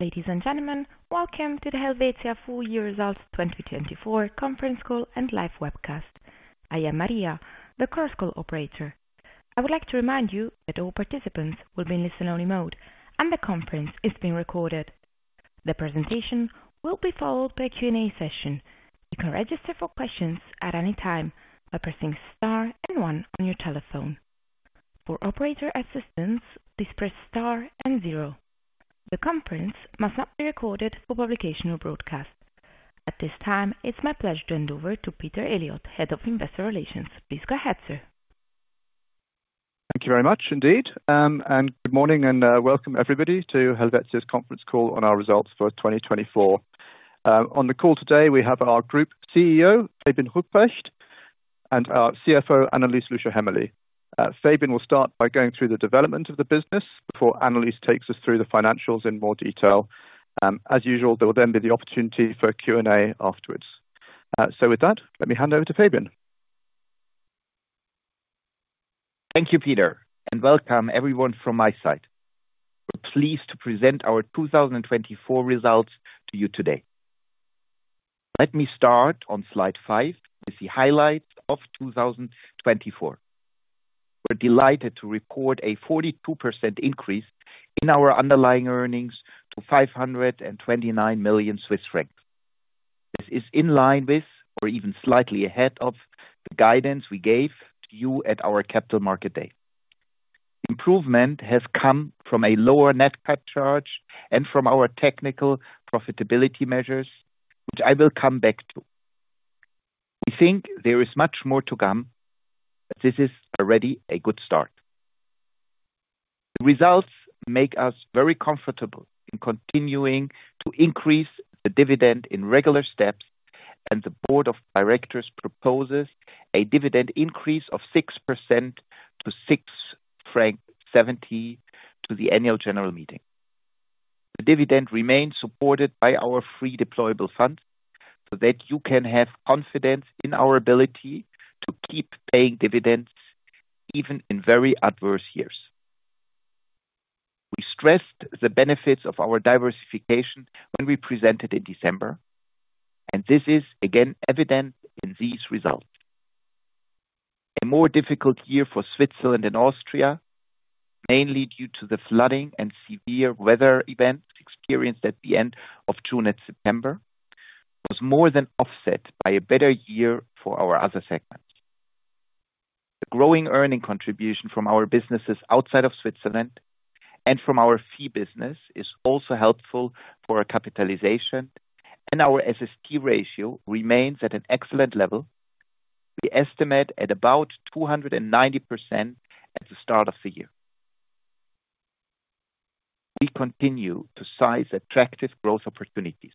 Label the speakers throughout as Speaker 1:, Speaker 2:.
Speaker 1: Ladies and gentlemen, welcome to the Helvetia Full Year Results 2024 Conference Call and Live webcast. I am Maria, the conference call operator. I would like to remind you that all participants will be in listen-only mode, and the conference is being recorded. The presentation will be followed by a Q&A session. You can register for questions at any time by pressing Star and 1 on your telephone. For operator assistance, please press Star and 0. The conference must not be recorded for publication or broadcast. At this time, it's my pleasure to hand over to Peter Eliot, Head of Investor Relations. Please go ahead, sir.
Speaker 2: Thank you very much indeed, and good morning and welcome everybody to Helvetia's conference call on our results for 2024. On the call today, we have our Group CEO, Fabian Rupprecht, and our CFO, Annelis Lüscher Hämmerli. Fabian will start by going through the development of the business before Annelis takes us through the financials in more detail. As usual, there will then be the opportunity for Q&A afterwards. So with that, let me hand over to Fabian.
Speaker 3: Thank you, Peter, and welcome everyone from my side. We're pleased to present our 2024 results to you today. Let me start on slide 5 with the highlights of 2024. We're delighted to report a 42% increase in our underlying earnings to 529 million Swiss francs. This is in line with, or even slightly ahead of, the guidance we gave to you at our Capital Market Day. Improvement has come from a lower NatCat charge and from our technical profitability measures, which I will come back to. We think there is much more to come, but this is already a good start. The results make us very comfortable in continuing to increase the dividend in regular steps, and the Board of Directors proposes a dividend increase of 6% to 6.70 franc to the annual general meeting. The dividend remains supported by our free deployable funds so that you can have confidence in our ability to keep paying dividends even in very adverse years. We stressed the benefits of our diversification when we presented in December, and this is again evident in these results. A more difficult year for Switzerland and Austria, mainly due to the flooding and severe weather events experienced at the end of June and September, was more than offset by a better year for our other segments. The growing earnings contribution from our businesses outside of Switzerland and from our fee business is also helpful for our capitalization, and our SST ratio remains at an excellent level. We estimate at about 290% at the start of the year. We continue to seize attractive growth opportunities.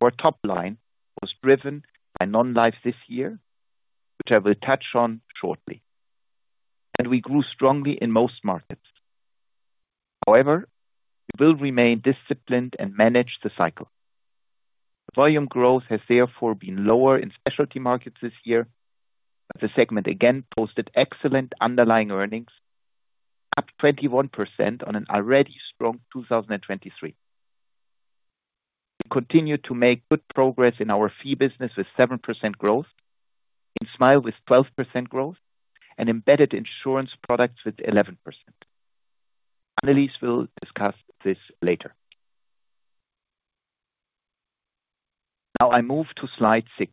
Speaker 3: Our top line was driven by non-life this year, which I will touch on shortly, and we grew strongly in most markets. However, we will remain disciplined and manage the cycle. Volume growth has therefore been lower in Specialty Markets this year, but the segment again posted excellent underlying earnings, up 21% on an already strong 2023. We continue to make good progress in our fee business with 7% growth, in Smile with 12% growth, and embedded insurance products with 11%. Annelis will discuss this later. Now I move to slide 6.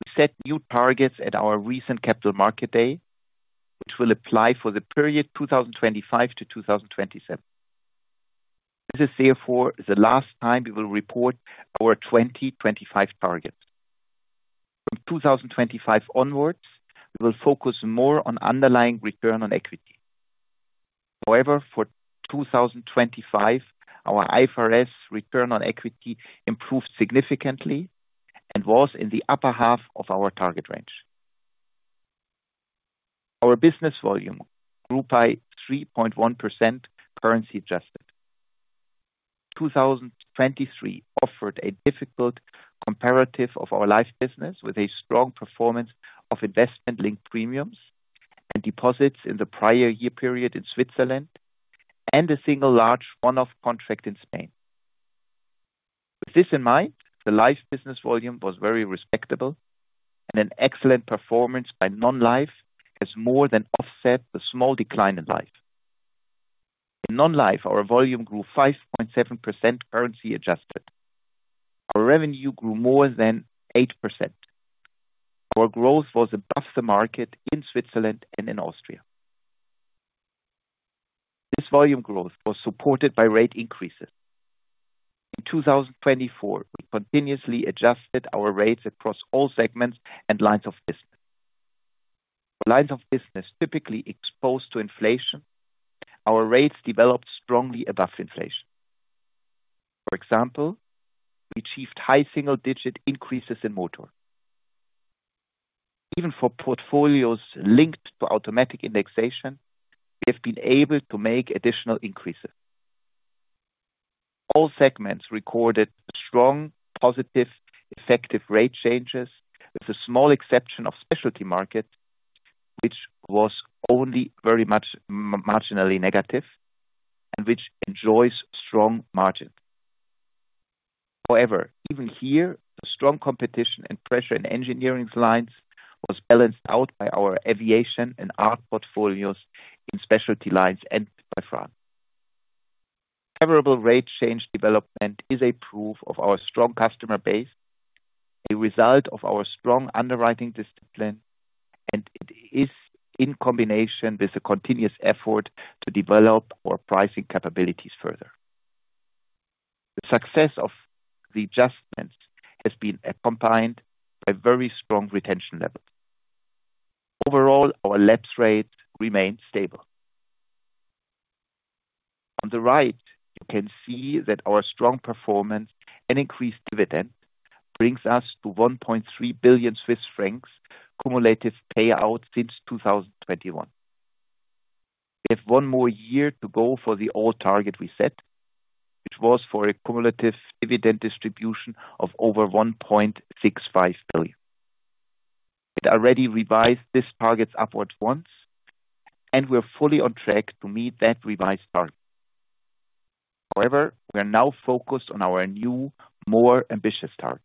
Speaker 3: We set new targets at our recent Capital Market Day, which will apply for the period 2025 to 2027. This is therefore the last time we will report our 2025 targets. From 2025 onwards, we will focus more on underlying return on equity. However, for 2025, our IFRS return on equity improved significantly and was in the upper half of our target range. Our business volume grew by 3.1% currency adjusted. 2023 offered a difficult comparative of our life business with a strong performance of investment-linked premiums and deposits in the prior year period in Switzerland and a single large one-off contract in Spain. With this in mind, the life business volume was very respectable, and an excellent performance by non-life has more than offset the small decline in life. In non-life, our volume grew 5.7% currency adjusted. Our revenue grew more than 8%. Our growth was above the market in Switzerland and in Austria. This volume growth was supported by rate increases. In 2024, we continuously adjusted our rates across all segments and lines of business. For lines of business typically exposed to inflation, our rates developed strongly above inflation. For example, we achieved high single-digit increases in motor. Even for portfolios linked to automatic indexation, we have been able to make additional increases. All segments recorded strong, positive, effective rate changes, with a small exception of Specialty Markets, which was only very much marginally negative and which enjoys strong margins. However, even here, the strong competition and pressure in engineering lines was balanced out by our aviation and art portfolios in specialty lines and by France. Favorable rate change development is a proof of our strong customer base, a result of our strong underwriting discipline, and it is in combination with the continuous effort to develop our pricing capabilities further. The success of the adjustments has been accompanied by very strong retention levels. Overall, our lapse rate remains stable. On the right, you can see that our strong performance and increased dividend brings us to 1.3 billion Swiss francs cumulative payout since 2021. We have one more year to go for the old target we set, which was for a cumulative dividend distribution of over 1.65 billion CHF. We already revised this target upwards once, and we're fully on track to meet that revised target. However, we are now focused on our new, more ambitious target.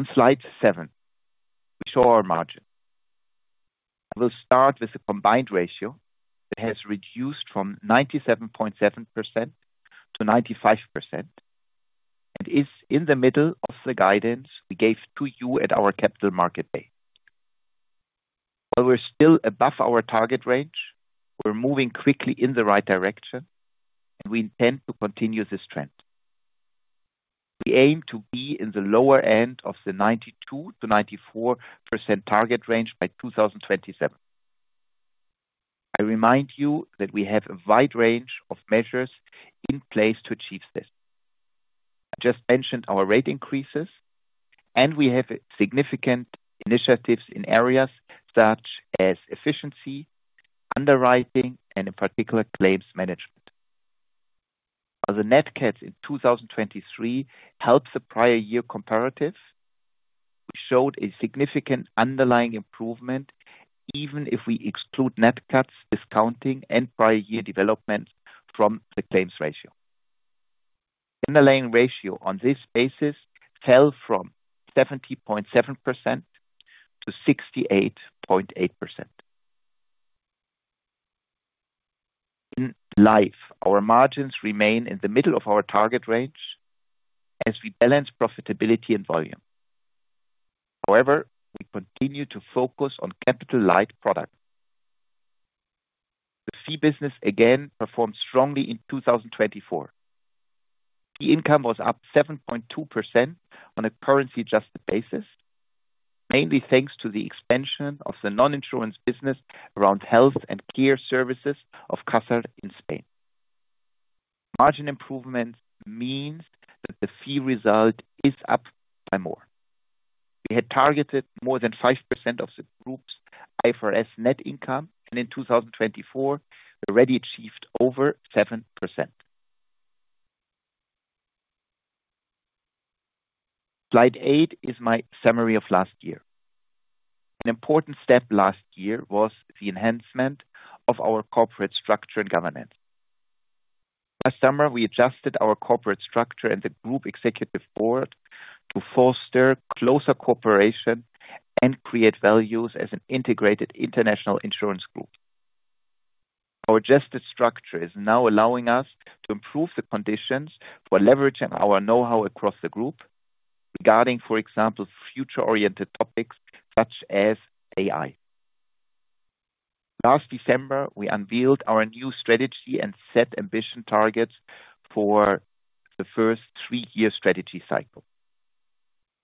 Speaker 3: On slide 7, we show our margin. I will start with the combined ratio that has reduced from 97.7% to 95% and is in the middle of the guidance we gave to you at our Capital Market Day. While we're still above our target range, we're moving quickly in the right direction, and we intend to continue this trend. We aim to be in the lower end of the 92%-94% target range by 2027. I remind you that we have a wide range of measures in place to achieve this. I just mentioned our rate increases, and we have significant initiatives in areas such as efficiency, underwriting, and in particular, claims management. While the NatCats in 2023 helped the prior year comparative, we showed a significant underlying improvement even if we exclude NatCats, discounting, and prior year development from the claims ratio. The underlying ratio on this basis fell from 70.7%-68.8%. In life, our margins remain in the middle of our target range as we balance profitability and volume. However, we continue to focus on capital-light products. The fee business again performed strongly in 2024. Fee income was up 7.2% on a currency-adjusted basis, mainly thanks to the expansion of the non-insurance business around health and care services of Caser in Spain. Margin improvement means that the fee result is up by more. We had targeted more than 5% of the group's IFRS net income, and in 2024, we already achieved over 7%. Slide 8 is my summary of last year. An important step last year was the enhancement of our corporate structure and governance. Last summer, we adjusted our corporate structure and the Group Executive Board to foster closer cooperation and create values as an integrated international insurance group. Our adjusted structure is now allowing us to improve the conditions for leveraging our know-how across the group regarding, for example, future-oriented topics such as AI. Last December, we unveiled our new strategy and set ambition targets for the first three-year strategy cycle.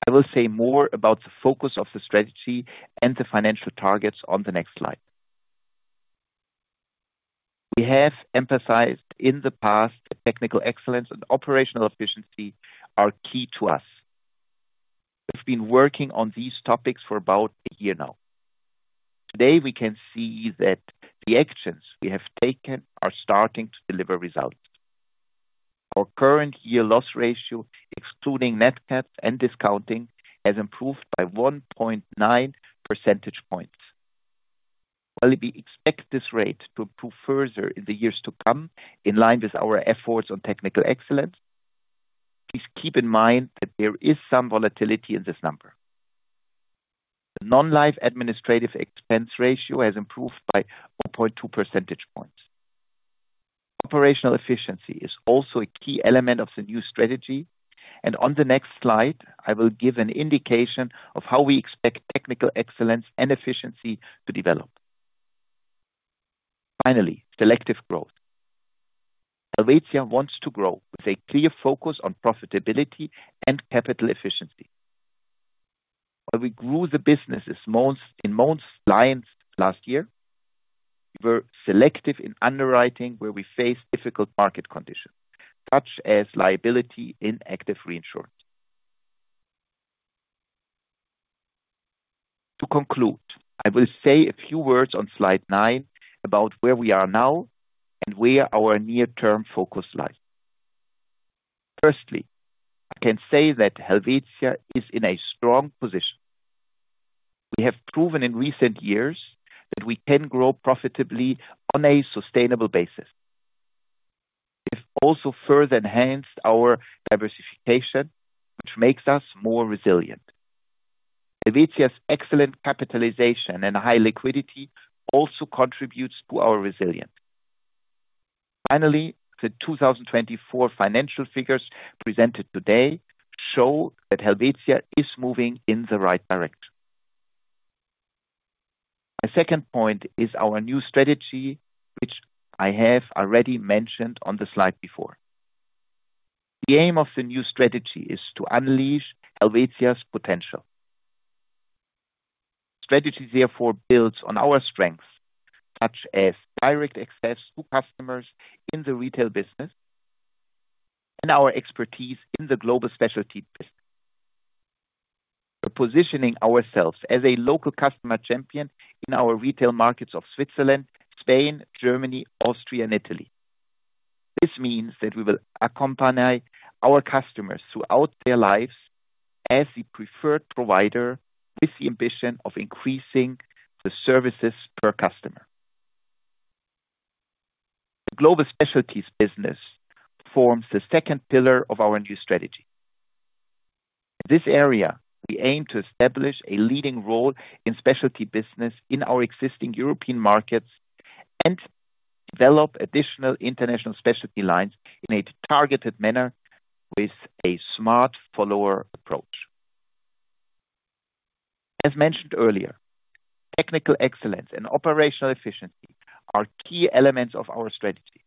Speaker 3: I will say more about the focus of the strategy and the financial targets on the next slide. We have emphasized in the past that technical excellence and operational efficiency are key to us. We've been working on these topics for about a year now. Today, we can see that the actions we have taken are starting to deliver results. Our current year loss ratio, excluding NatCats and discounting, has improved by 1.9 percentage points. While we expect this rate to improve further in the years to come in line with our efforts on technical excellence, please keep in mind that there is some volatility in this number. The non-life administrative expense ratio has improved by 0.2 percentage points. Operational efficiency is also a key element of the new strategy, and on the next slide, I will give an indication of how we expect technical excellence and efficiency to develop. Finally, selective growth. Helvetia wants to grow with a clear focus on profitability and capital efficiency. While we grew the business in most lines last year, we were selective in underwriting where we faced difficult market conditions, such as liability in Active Reinsurance. To conclude, I will say a few words on slide 9 about where we are now and where our near-term focus lies. Firstly, I can say that Helvetia is in a strong position. We have proven in recent years that we can grow profitably on a sustainable basis. We have also further enhanced our diversification, which makes us more resilient. Helvetia's excellent capitalization and high liquidity also contribute to our resilience. Finally, the 2024 financial figures presented today show that Helvetia is moving in the right direction. My second point is our new strategy, which I have already mentioned on the slide before. The aim of the new strategy is to unleash Helvetia's potential. The strategy therefore builds on our strengths, such as direct access to customers in the retail business and our expertise in the global specialty business. We're positioning ourselves as a local customer champion in our retail markets of Switzerland, Spain, Germany, Austria, and Italy. This means that we will accompany our customers throughout their lives as the preferred provider with the ambition of increasing the services per customer. The global specialties business forms the second pillar of our new strategy. In this area, we aim to establish a leading role in specialty business in our existing European markets and develop additional international specialty lines in a targeted manner with a smart follower approach. As mentioned earlier, technical excellence and operational efficiency are key elements of our strategy.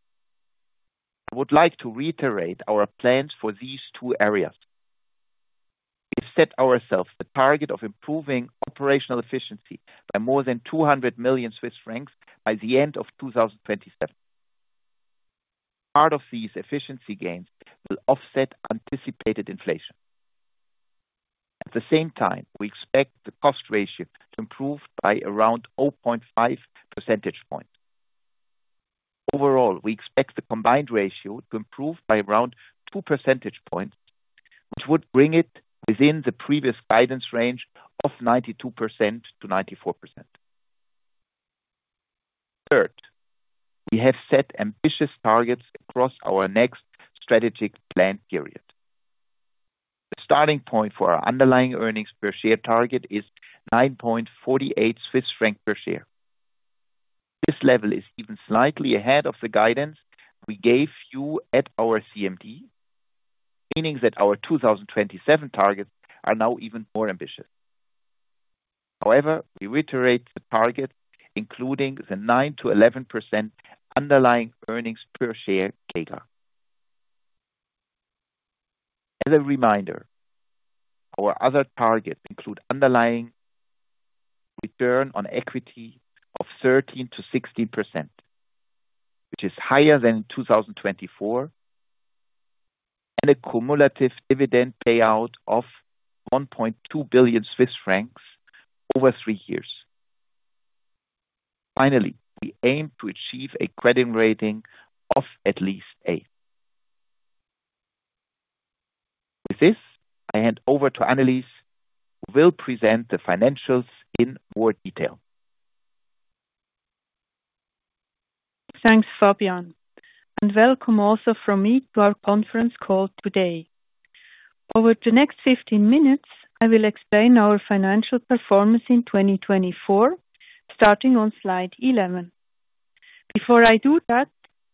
Speaker 3: I would like to reiterate our plans for these two areas. We set ourselves the target of improving operational efficiency by more than 200 million Swiss francs by the end of 2027. Part of these efficiency gains will offset anticipated inflation. At the same time, we expect the cost ratio to improve by around 0.5 percentage points. Overall, we expect the combined ratio to improve by around 2 percentage points, which would bring it within the previous guidance range of 92%-94%. Third, we have set ambitious targets across our next strategic plan period. The starting point for our underlying earnings per share target is 9.48 Swiss franc per share. This level is even slightly ahead of the guidance we gave you at our CMD, meaning that our 2027 targets are now even more ambitious. However, we reiterate the target, including the 9%-11% underlying earnings per share CAGR. As a reminder, our other targets include underlying return on equity of 13%-16%, which is higher than in 2024, and a cumulative dividend payout of 1.2 billion Swiss francs over three years. Finally, we aim to achieve a credit rating of at least A. With this, I hand over to Annelis, who will present the financials in more detail.
Speaker 4: Thanks, Fabian, and welcome also from me to our conference call today. Over the next 15 minutes, I will explain our financial performance in 2024, starting on slide 11. Before I do that,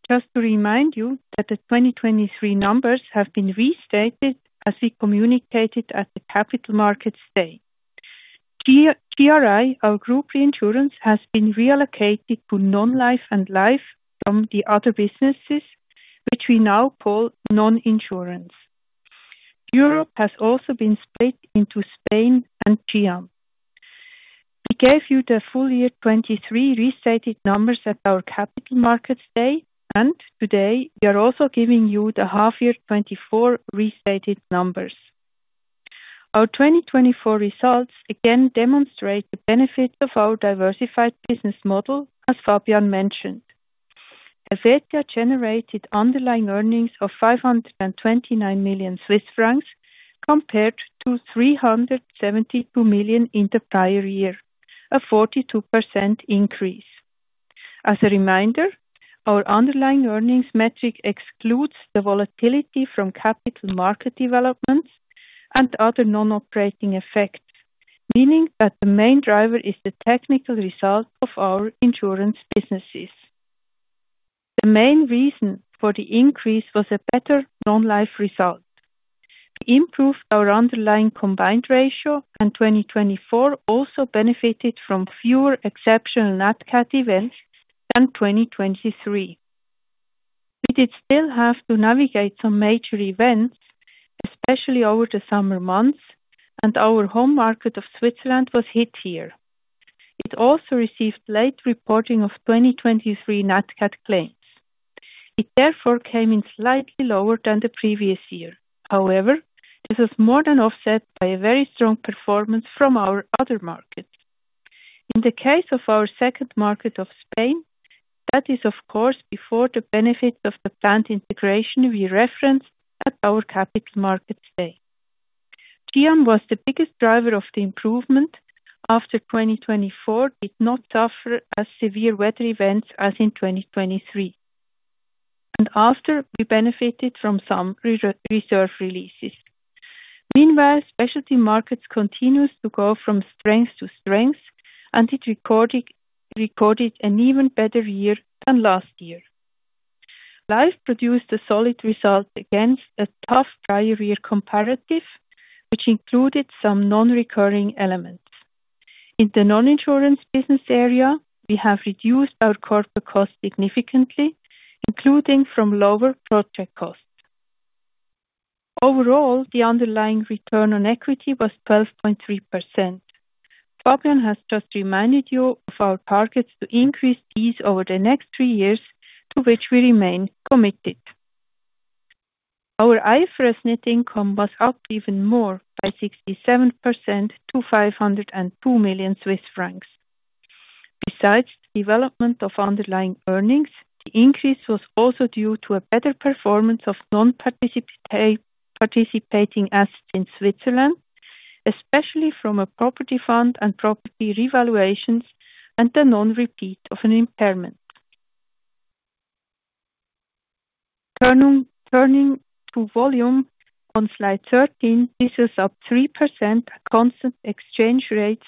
Speaker 4: just to remind you that the 2023 numbers have been restated as we communicated at the Capital Market Day. GRI, our group reinsurance, has been reallocated to non-life and life from the other businesses, which we now call non-insurance. Europe has also been split into Spain and Italy. We gave you the full year 2023 restated numbers at our Capital Market Day, and today we are also giving you the half-year 2024 restated numbers. Our 2024 results again demonstrate the benefits of our diversified business model, as Fabian mentioned. Helvetia generated underlying earnings of 529 million Swiss francs compared to 372 million in the prior year, a 42% increase. As a reminder, our underlying earnings metric excludes the volatility from capital market developments and other non-operating effects, meaning that the main driver is the technical result of our insurance businesses. The main reason for the increase was a better non-life result. We improved our underlying combined ratio, and 2024 also benefited from fewer exceptional NatCat events than 2023. We did still have to navigate some major events, especially over the summer months, and our home market of Switzerland was hit here. It also received late reporting of 2023 NatCat claims. It therefore came in slightly lower than the previous year. However, this was more than offset by a very strong performance from our other markets. In the case of our second market of Spain, that is, of course, before the benefits of the planned integration we referenced at our Capital Market Day. Spain was the biggest driver of the improvement after 2024 did not suffer as severe weather events as in 2023, and after we benefited from some reserve releases. Meanwhile, Specialty Markets continued to go from strength to strength, and it recorded an even better year than last year. Life produced a solid result against a tough prior year comparative, which included some non-recurring elements. In the non-insurance business area, we have reduced our corporate costs significantly, including from lower project costs. Overall, the underlying return on equity was 12.3%. Fabian has just reminded you of our targets to increase these over the next three years, to which we remain committed. Our IFRS net income was up even more by 67% to 502 million Swiss francs. Besides the development of underlying earnings, the increase was also due to a better performance of non-participating assets in Switzerland, especially from a property fund and property revaluations and the non-repeat of an impairment. Turning to volume on slide 13, this was up 3% at constant exchange rates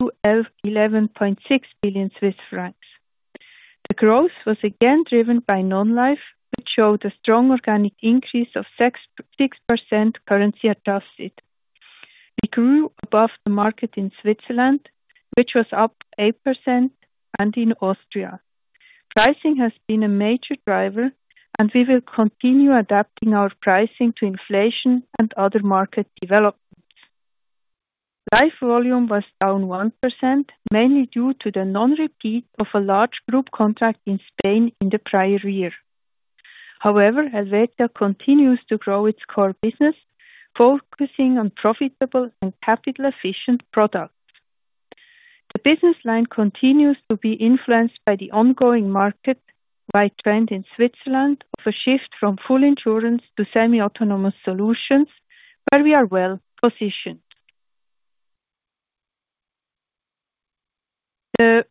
Speaker 4: to 11.6 billion Swiss francs. The growth was again driven by non-life, which showed a strong organic increase of 6% currency adjusted. We grew above the market in Switzerland, which was up 8%, and in Austria. Pricing has been a major driver, and we will continue adapting our pricing to inflation and other market developments. Life volume was down 1%, mainly due to the non-repeat of a large group contract in Spain in the prior year. However, Helvetia continues to grow its core business, focusing on profitable and capital-efficient products. The business line continues to be influenced by the ongoing market-wide trend in Switzerland of a shift from full insurance to semi-autonomous solutions, where we are well positioned. The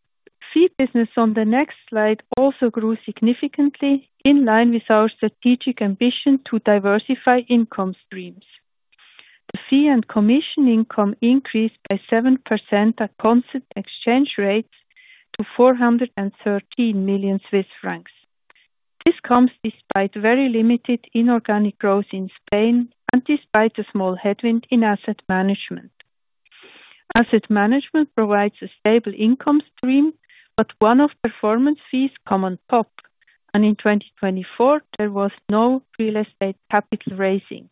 Speaker 4: fee business on the next slide also grew significantly in line with our strategic ambition to diversify income streams. The fee and commission income increased by 7% at constant exchange rates to 413 million Swiss francs. This comes despite very limited inorganic growth in Spain and despite a small headwind in asset management. Asset management provides a stable income stream, but one of performance fees come on top, and in 2024, there was no real estate capital raising.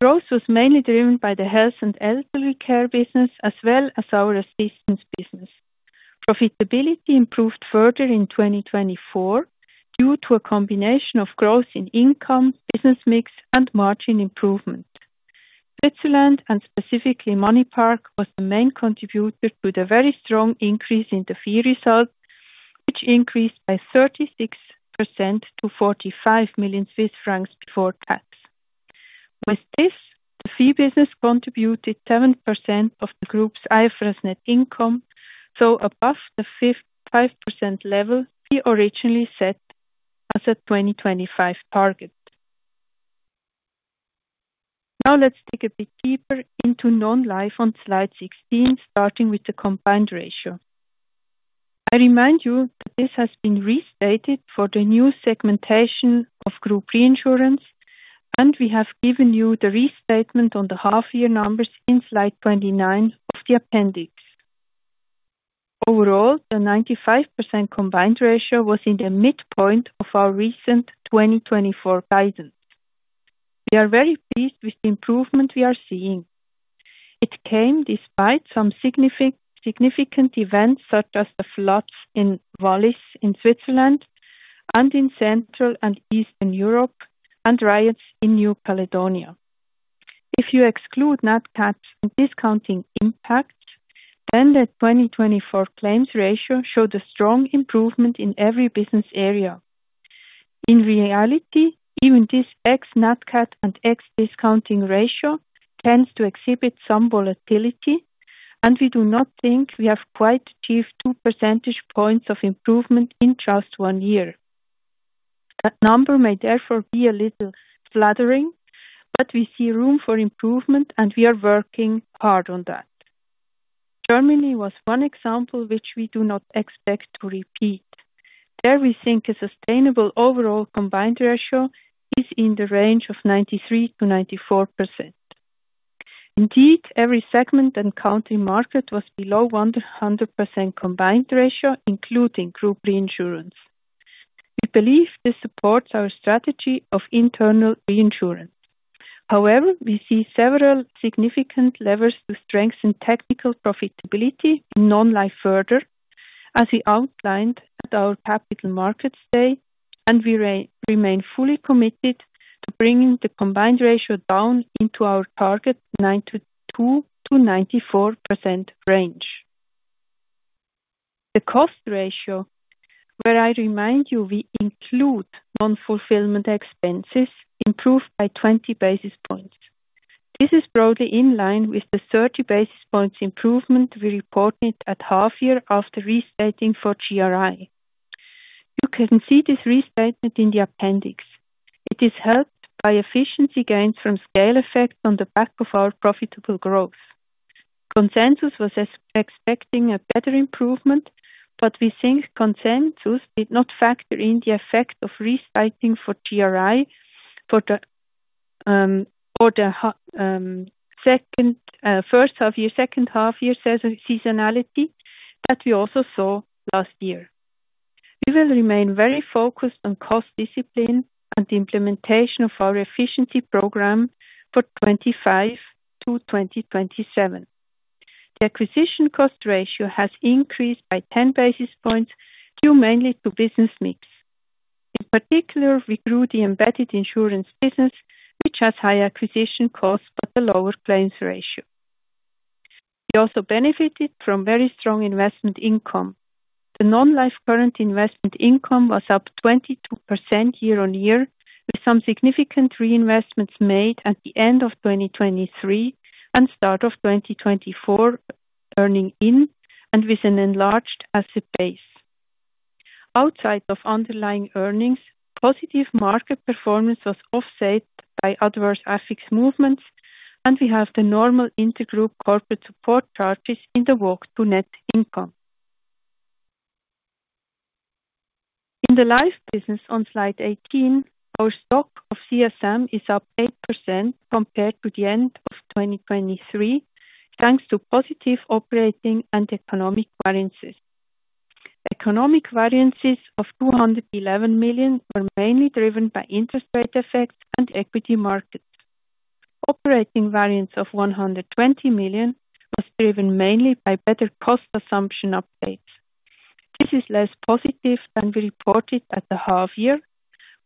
Speaker 4: Growth was mainly driven by the health and elderly care business, as well as our assistance business. Profitability improved further in 2024 due to a combination of growth in income, business mix, and margin improvement. Switzerland, and specifically MoneyPark, was the main contributor to the very strong increase in the fee result, which increased by 36% to 45 million Swiss francs before tax. With this, the fee business contributed 7% of the group's IFRS net income, so above the 5% level we originally set as a 2025 target. Now let's dig a bit deeper into non-life on slide 16, starting with the combined ratio. I remind you that this has been restated for the new segmentation of group reinsurance, and we have given you the restatement on the half-year numbers in slide 29 of the appendix. Overall, the 95% combined ratio was in the midpoint of our recent 2024 guidance. We are very pleased with the improvement we are seeing. It came despite some significant events, such as the floods in Wallis in Switzerland and in Central and Eastern Europe, and riots in New Caledonia. If you exclude NatCats and discounting impacts, then the 2024 claims ratio showed a strong improvement in every business area. In reality, even this ex-NatCat and ex-discounting ratio tends to exhibit some volatility, and we do not think we have quite achieved 2 percentage points of improvement in just one year. That number may therefore be a little flattering, but we see room for improvement, and we are working hard on that. Germany was one example which we do not expect to repeat. There we think a sustainable overall combined ratio is in the range of 93%-94%. Indeed, every segment and country market was below 100% combined ratio, including group reinsurance. We believe this supports our strategy of internal reinsurance. However, we see several significant levers to strengthen technical profitability in non-life further, as we outlined at our Capital Market Day, and we remain fully committed to bringing the combined ratio down into our target 92%-94% range. The cost ratio, where I remind you we include non-fulfillment expenses, improved by 20 basis points. This is broadly in line with the 30 basis points improvement we reported at half-year after restating for GRI. You can see this restatement in the appendix. It is helped by efficiency gains from scale effects on the back of our profitable growth. Consensus was expecting a better improvement, but we think consensus did not factor in the effect of restating for GRI for the first half-year, second half-year seasonality that we also saw last year. We will remain very focused on cost discipline and the implementation of our efficiency program for 2025 to 2027. The acquisition cost ratio has increased by 10 basis points, due mainly to business mix. In particular, we grew the embedded insurance business, which has higher acquisition costs but a lower claims ratio. We also benefited from very strong investment income. The non-life current investment income was up 22% year on year, with some significant reinvestments made at the end of 2023 and start of 2024, earning in and with an enlarged asset base. Outside of underlying earnings, positive market performance was offset by adverse FX movements, and we have the normal inter-group corporate support charges in the walk-to-net income. In the life business on slide 18, our stock of CSM is up 8% compared to the end of 2023, thanks to positive operating and economic variances. Economic variances of 211 million were mainly driven by interest rate effects and equity markets. Operating variance of 120 million was driven mainly by better cost assumption updates. This is less positive than we reported at the half-year,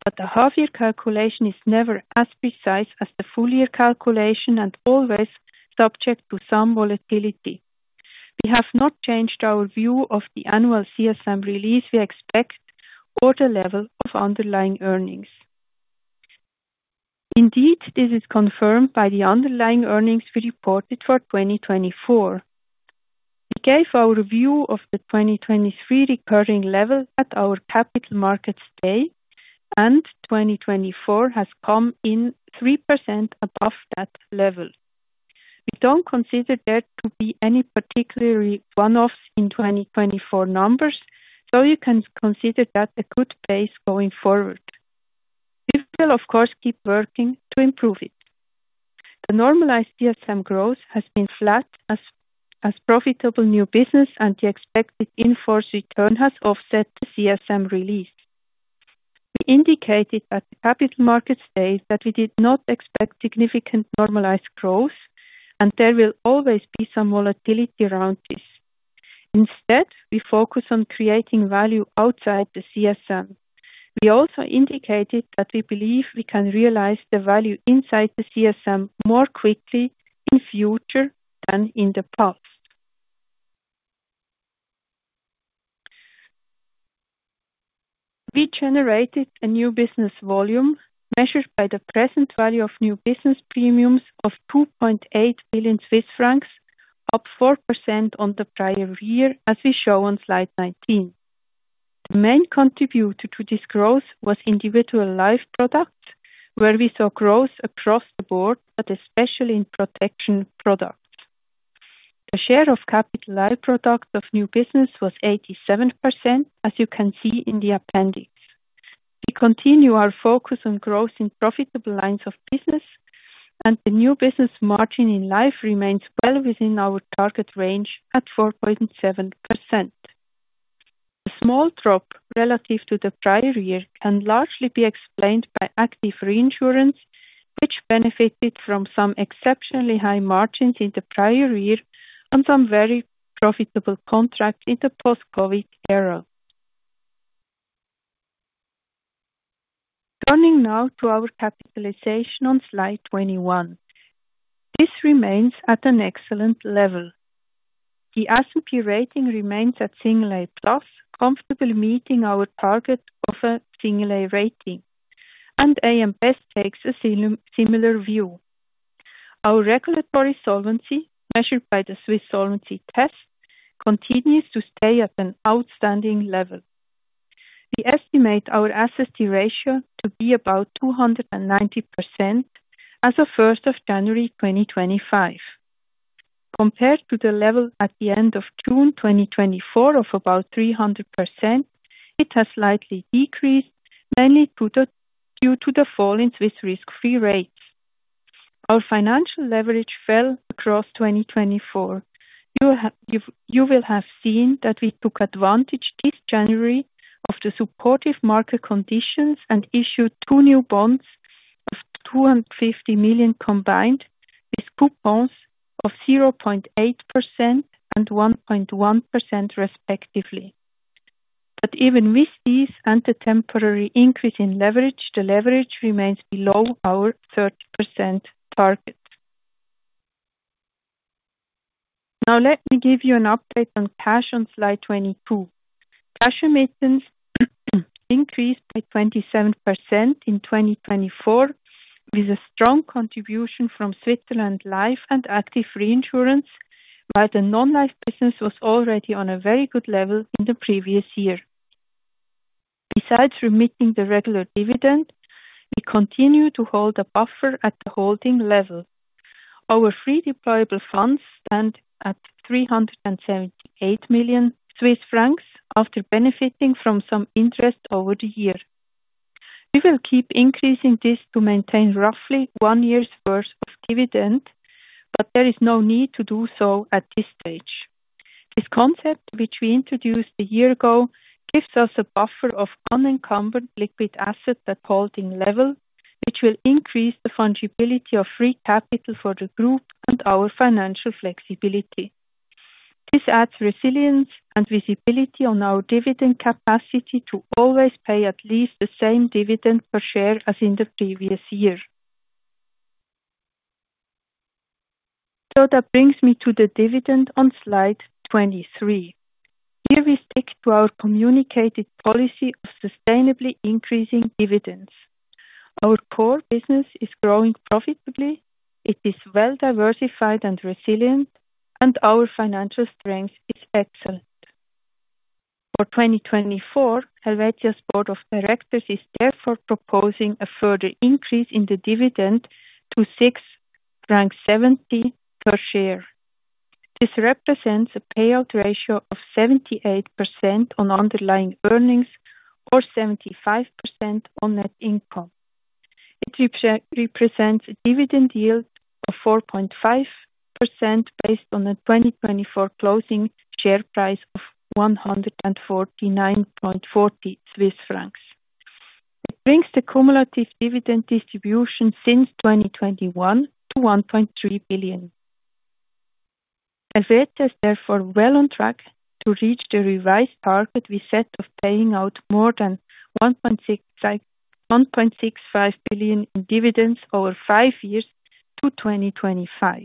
Speaker 4: but the half-year calculation is never as precise as the full-year calculation and always subject to some volatility. We have not changed our view of the annual CSM release we expect or the level of underlying earnings. Indeed, this is confirmed by the underlying earnings we reported for 2024. We gave our view of the 2023 recurring level at our Capital Market Day, and 2024 has come in 3% above that level. We don't consider there to be any particularly one-offs in 2024 numbers, so you can consider that a good base going forward. We will, of course, keep working to improve it. The normalized CSM growth has been flat, as profitable new business and the expected in-force return has offset the CSM release. We indicated at the Capital Market Day that we did not expect significant normalized growth, and there will always be some volatility around this. Instead, we focus on creating value outside the CSM. We also indicated that we believe we can realize the value inside the CSM more quickly in future than in the past. We generated a new business volume measured by the present value of new business premiums of 2.8 billion Swiss francs, up 4% on the prior year, as we show on slide 19. The main contributor to this growth was individual life products, where we saw growth across the board, but especially in protection products. The share of capital-light products of new business was 87%, as you can see in the appendix. We continue our focus on growth in profitable lines of business, and the new business margin in life remains well within our target range at 4.7%. The small drop relative to the prior year can largely be explained by active reinsurance, which benefited from some exceptionally high margins in the prior year and some very profitable contracts in the post-COVID era. Turning now to our capitalization on slide 21. This remains at an excellent level. The S&P rating remains at A+, comfortably meeting our target of an A rating, and AM Best takes a similar view. Our regulatory solvency, measured by the Swiss Solvency Test, continues to stay at an outstanding level. We estimate our SST ratio to be about 290% as of 1 January 2025. Compared to the level at the end of June 2024 of about 300%, it has slightly decreased, mainly due to the fall in Swiss risk-free rates. Our financial leverage fell across 2024. You will have seen that we took advantage this January of the supportive market conditions and issued two new bonds of 250 million combined, with coupons of 0.8% and 1.1%, respectively. But even with these and the temporary increase in leverage, the leverage remains below our 30% target. Now let me give you an update on cash on slide 22. Cash remittance increased by 27% in 2024, with a strong contribution from Switzerland Life and Active Reinsurance, while the Non-life business was already on a very good level in the previous year. Besides remitting the regular dividend, we continue to hold a buffer at the holding level. Our free deployable funds stand at 378 million Swiss francs after benefiting from some interest over the year. We will keep increasing this to maintain roughly one year's worth of dividend, but there is no need to do so at this stage. This concept, which we introduced a year ago, gives us a buffer of unencumbered liquid assets at holding level, which will increase the fungibility of free capital for the group and our financial flexibility. This adds resilience and visibility on our dividend capacity to always pay at least the same dividend per share as in the previous year. That brings me to the dividend on slide 23. Here we stick to our communicated policy of sustainably increasing dividends. Our core business is growing profitably, it is well diversified and resilient, and our financial strength is excellent. For 2024, Helvetia's Board of Directors is therefore proposing a further increase in the dividend to 6.70 per share. This represents a payout ratio of 78% on underlying earnings or 75% on net income. It represents a dividend yield of 4.5% based on a 2024 closing share price of 149.40 Swiss francs. It brings the cumulative dividend distribution since 2021 to 1.3 billion. Helvetia is therefore well on track to reach the revised target we set of paying out more than 1.65 billion in dividends over five years to 2025.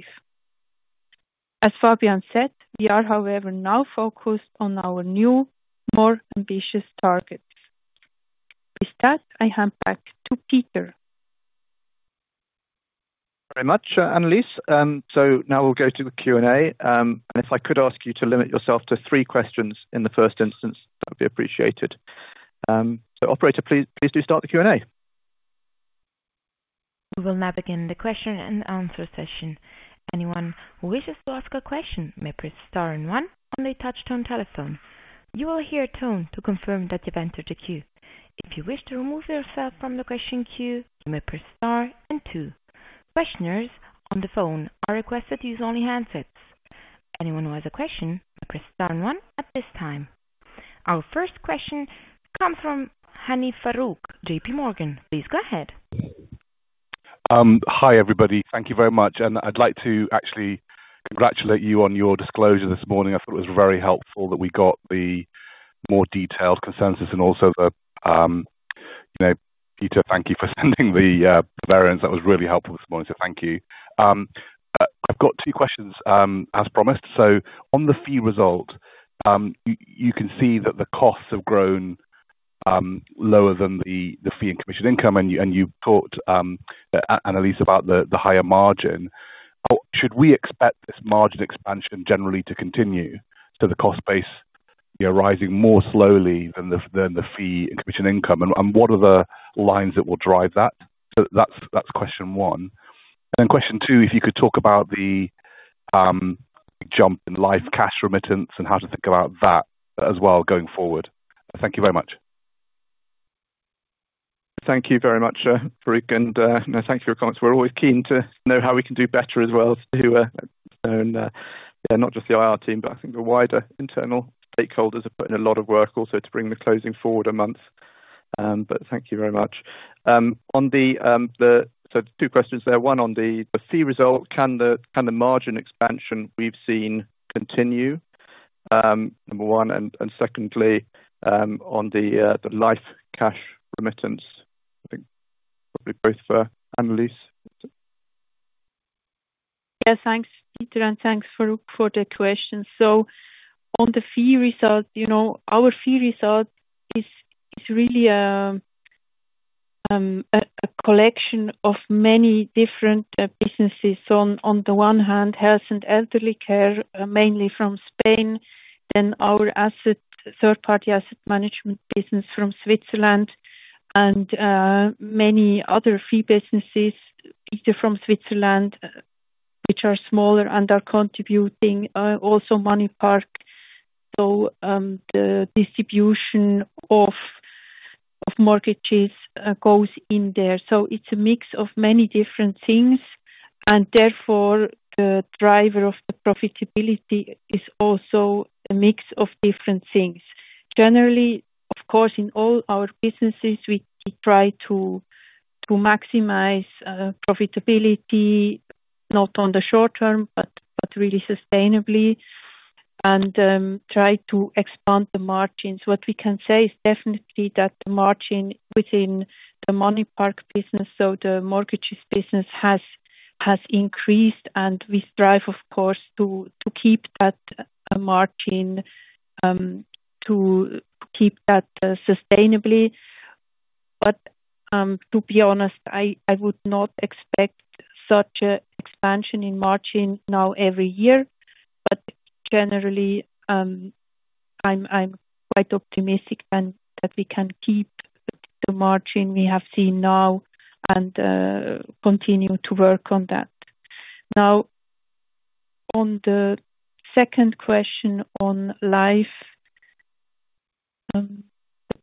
Speaker 4: As Fabian said, we are, however, now focused on our new, more ambitious targets. With that, I hand back to Peter.
Speaker 2: Thank you very much, Annelis. So now we'll go to the Q&A, and if I could ask you to limit yourself to three questions in the first instance, that would be appreciated. So operator, please do start the Q&A.
Speaker 1: We will now begin the question and answer session. Anyone who wishes to ask a question may press star and one on the touch-tone telephone. You will hear a tone to confirm that you've entered the queue. If you wish to remove yourself from the question queue, you may press star and two. Questioners on the phone are requested to use only handsets. Anyone who has a question may press star and one at this time. Our first question comes from Farooq Hanif, J.P. Morgan. Please go ahead.
Speaker 5: Hi everybody, thank you very much, and I'd like to actually congratulate you on your disclosure this morning. I thought it was very helpful that we got the more detailed consensus and also the, you know, Peter, thank you for sending the, the variance. That was really helpful this morning, so thank you. I've got two questions, as promised. On the fee result, you can see that the costs have grown lower than the fee and commission income, and you talked, Annelis, about the higher margin. Should we expect this margin expansion generally to continue? The cost base, you know, rising more slowly than the fee and commission income, and what are the lines that will drive that? That's question one. Question two, if you could talk about the jump in life cash remittance and how to think about that as well going forward. Thank you very much.
Speaker 2: Thank you very much, Farooq, and, you know, thank you for your comments. We're always keen to know how we can do better as well to, and, yeah, not just the IR team, but I think the wider internal stakeholders are putting a lot of work also to bring the closing forward a month. But thank you very much. On the, so two questions there. One on the fee result, can the margin expansion we've seen continue, number one, and secondly, on the life cash remittance? I think probably both for Annelis.
Speaker 4: Yes, thanks, Peter, and thanks, Farooq, for the question. So, on the fee result, you know, our fee result is really a collection of many different businesses. So on the one hand, health and elderly care, mainly from Spain, then our third-party asset management business from Switzerland, and many other fee businesses, either from Switzerland, which are smaller and are contributing, also MoneyPark. So, the distribution of mortgages goes in there. So, it's a mix of many different things, and therefore the driver of the profitability is also a mix of different things. Generally, of course, in all our businesses, we try to maximize profitability, not on the short term, but really sustainably, and try to expand the margins. What we can say is definitely that the margin within the MoneyPark business, so the mortgages business, has increased, and we strive, of course, to keep that margin, to keep that sustainably. To be honest, I would not expect such an expansion in margin now every year, but generally, I'm quite optimistic that we can keep the margin we have seen now and continue to work on that. Now, on the second question on life, the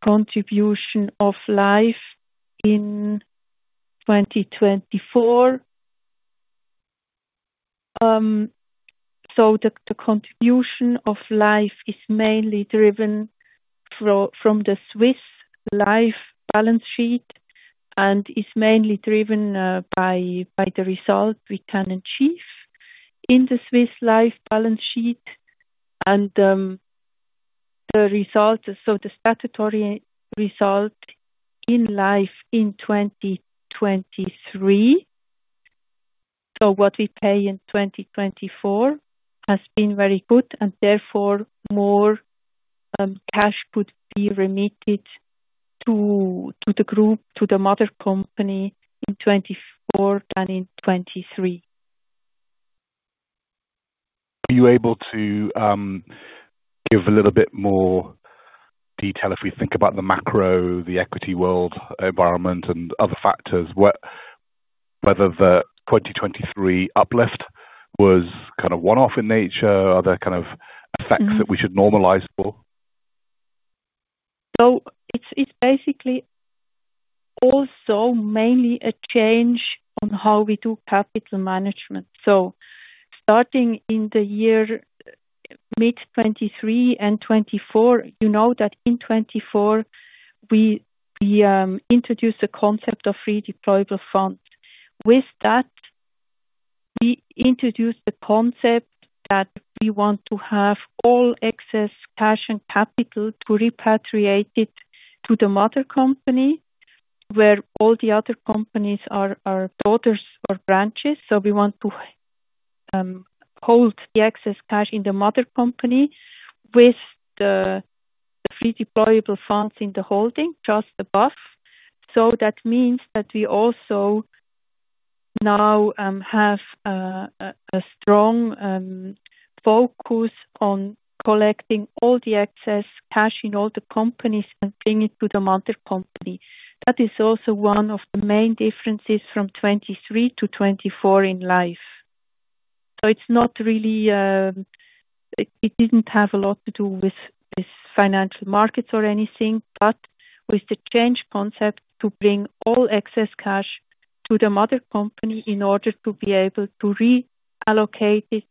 Speaker 4: contribution of life in 2024, so the contribution of life is mainly driven from the Swiss life balance sheet and is mainly driven by the result we can achieve in the Swiss life balance sheet. The result, so the statutory result in life in 2023, so what we pay in 2024 has been very good, and therefore more cash could be remitted to the group, to the mother company in 2024 than in 2023.
Speaker 5: Are you able to give a little bit more detail if we think about the macro, the equity world environment, and other factors, what, whether the 2023 uplift was kind of one-off in nature? Are there kind of effects that we should normalize for?
Speaker 4: So it's basically also mainly a change on how we do capital management. So starting in mid-2023 and 2024, you know that in 2024 we introduced the concept of free deployable funds. With that, we introduced the concept that we want to have all excess cash and capital to repatriate it to the mother company, where all the other companies are daughters or branches. So we want to hold the excess cash in the mother company with the free deployable funds in the holding just above. So that means that we also now have a strong focus on collecting all the excess cash in all the companies and bringing it to the mother company. That is also one of the main differences from 2023 to 2024 in life. So it's not really, it didn't have a lot to do with financial markets or anything, but with the change concept to bring all excess cash to the mother company in order to be able to reallocate it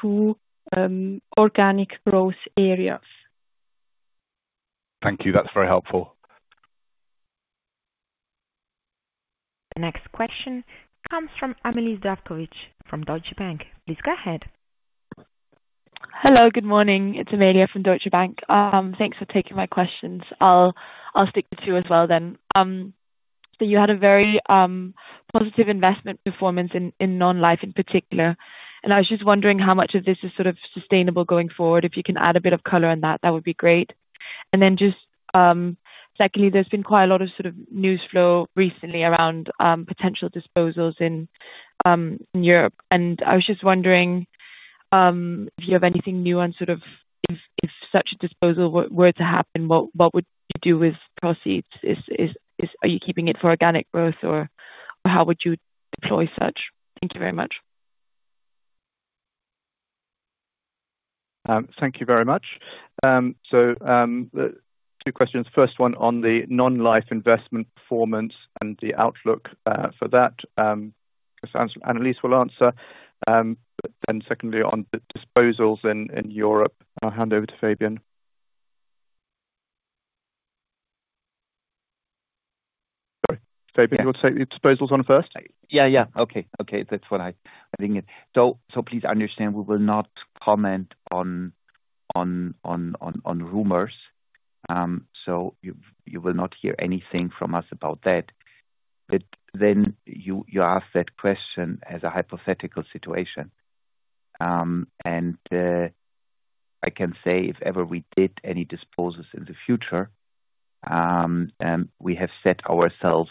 Speaker 4: to organic growth areas.
Speaker 5: Thank you, that's very helpful.
Speaker 1: The next question comes from Amalie Zdravkovic from Deutsche Bank. Please go ahead.
Speaker 6: Hello, good morning, it's Amalie from Deutsche Bank. Thanks for taking my questions. I'll stick to two as well then. So you had a very positive investment performance in non-life in particular, and I was just wondering how much of this is sort of sustainable going forward. If you can add a bit of color on that, that would be great. And then just secondly, there's been quite a lot of sort of news flow recently around potential disposals in Europe. And I was just wondering if you have anything new on sort of if such a disposal were to happen, what would you do with proceeds? Are you keeping it for organic growth, or how would you deploy such? Thank you very much.
Speaker 2: Thank you very much. So the two questions. First one on the non-life investment performance and the outlook for that. So Annelis will answer. But then secondly on the disposals in Europe. I'll hand over to Fabian. Sorry, Fabian, you want to take the disposals one first?
Speaker 3: Yeah, yeah, okay, okay, that's what I think it. So please understand we will not comment on rumors. So you will not hear anything from us about that. But then you asked that question as a hypothetical situation. And I can say if ever we did any disposals in the future, we have set ourselves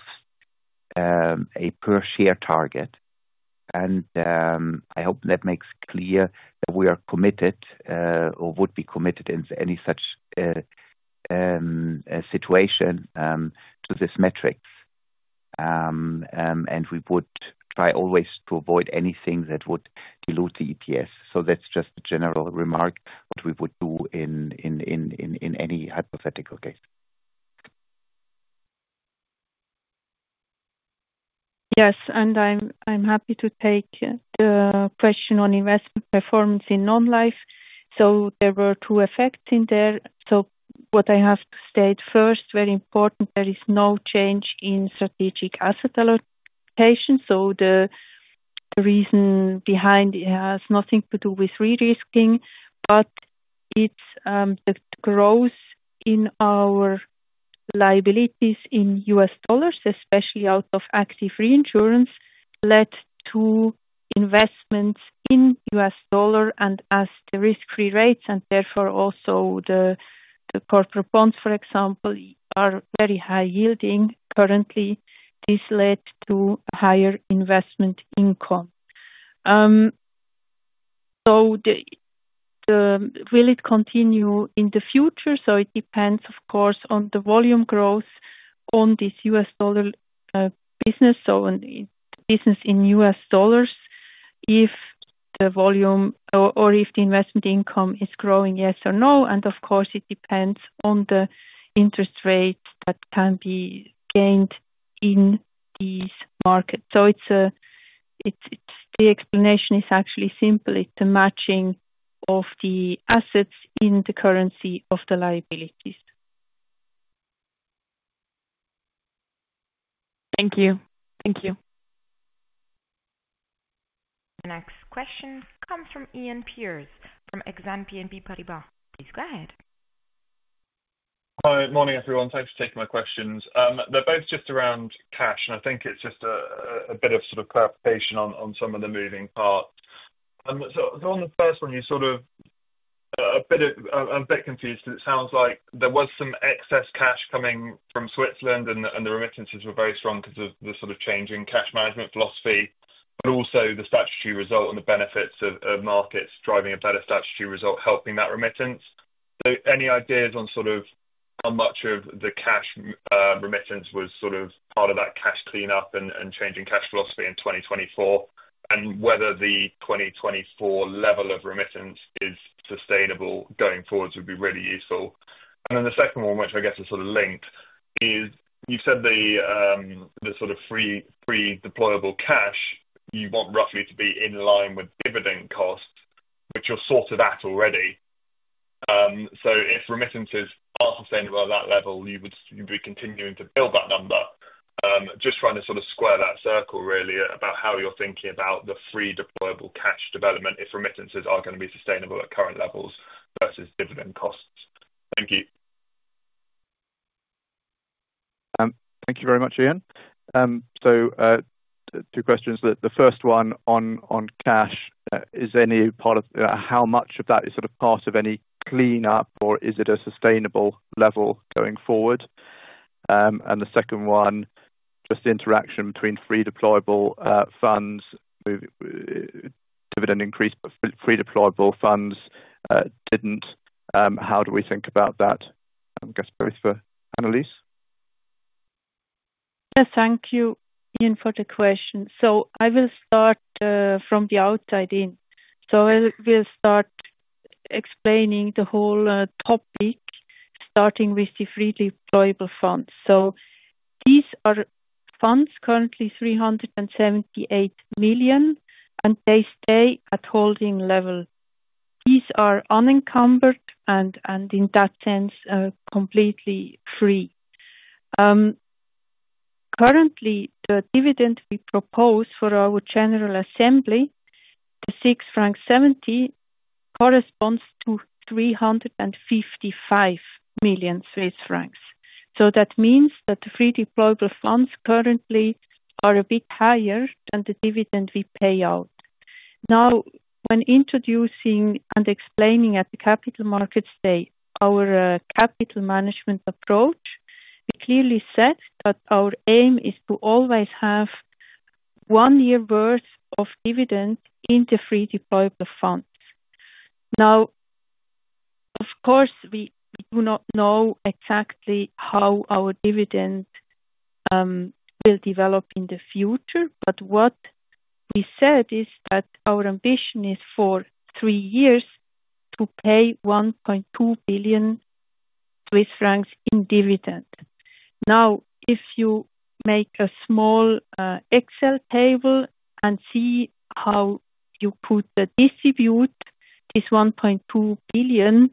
Speaker 3: a per share target. And I hope that makes clear that we are committed, or would be committed in any such situation, to this metric. And we would try always to avoid anything that would dilute the EPS. So that's just a general remark what we would do in any hypothetical case.
Speaker 4: Yes, and I'm happy to take the question on investment performance in non-life. So there were two effects in there. So what I have to state first, very important, there is no change in strategic asset allocation. The reason behind it has nothing to do with re-risking, but it's the growth in our liabilities in US dollars, especially out of Active Reinsurance, led to investments in US dollars and as the risk-free rates, and therefore also the corporate bonds, for example, are very high yielding currently. This led to a higher investment income. Will it continue in the future? It depends, of course, on the volume growth on this US dollar business. On the business in US dollars, if the volume or if the investment income is growing, yes or no. And of course, it depends on the interest rate that can be gained in these markets. It's the explanation is actually simple. It's a matching of the assets in the currency of the liabilities.
Speaker 6: Thank you, thank you.
Speaker 1: The next question comes from Iain Pearce from Exane BNP Paribas. Please go ahead.
Speaker 7: Hi, morning everyone. Thanks for taking my questions. They're both just around cash, and I think it's just a bit of sort of clarification on some of the moving parts. So on the first one, you sort of a bit confused, and it sounds like there was some excess cash coming from Switzerland, and the remittances were very strong because of the sort of changing cash management philosophy, but also the statutory result and the benefits of markets driving a better statutory result, helping that remittance. So any ideas on sort of how much of the cash remittance was sort of part of that cash cleanup and changing cash philosophy in 2024, and whether the 2024 level of remittance is sustainable going forwards would be really useful. And then the second one, which I guess is sort of linked, is you've said the sort of free deployable funds you want roughly to be in line with dividend costs, which you're sort of at already. So, if remittances are sustainable at that level, you'd be continuing to build that number. Just trying to sort of square that circle really about how you're thinking about the free deployable funds development if remittances are going to be sustainable at current levels versus dividend costs. Thank you.
Speaker 2: Thank you very much, Ian. So, two questions. The first one on cash, is any part of how much of that is sort of part of any cleanup, or is it a sustainable level going forward? And the second one, just the interaction between free deployable funds, dividend increase, but free deployable funds didn't. How do we think about that? I guess both for Annelis.
Speaker 4: Yes, thank you, Iain, for the question. So I will start from the outside in. So we'll start explaining the whole topic, starting with the free deployable funds. So these are funds currently 378 million, and they stay at holding level. These are unencumbered and in that sense, completely free. Currently, the dividend we propose for our general assembly, the 6.70, corresponds to 355 million Swiss francs. So that means that the free deployable funds currently are a bit higher than the dividend we pay out. Now, when introducing and explaining at the capital markets day our capital management approach, we clearly said that our aim is to always have one year's worth of dividend in the free deployable funds. Now, of course, we do not know exactly how our dividend will develop in the future, but what we said is that our ambition is for three years to pay 1.2 billion Swiss francs in dividend. Now, if you make a small Excel table and see how you could distribute this 1.2 billion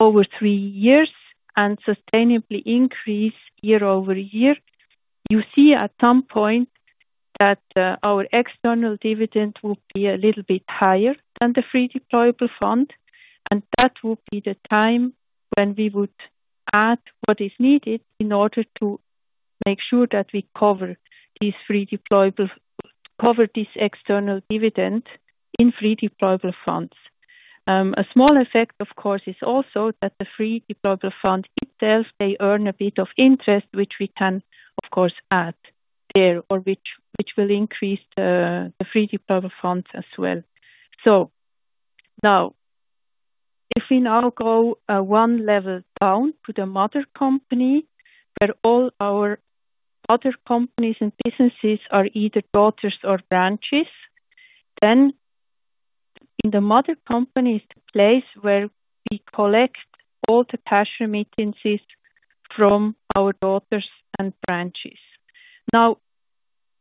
Speaker 4: over three years and sustainably increase year over year, you see at some point that our external dividend would be a little bit higher than the free deployable fund, and that would be the time when we would add what is needed in order to make sure that we cover this external dividend in free deployable funds. A small effect, of course, is also that the free deployable fund itself, they earn a bit of interest, which we can, of course, add there, or which will increase the free deployable funds as well. So now, if we now go one level down to the mother company, where all our other companies and businesses are either daughters or branches, then in the mother company is the place where we collect all the cash remittances from our daughters and branches. Now,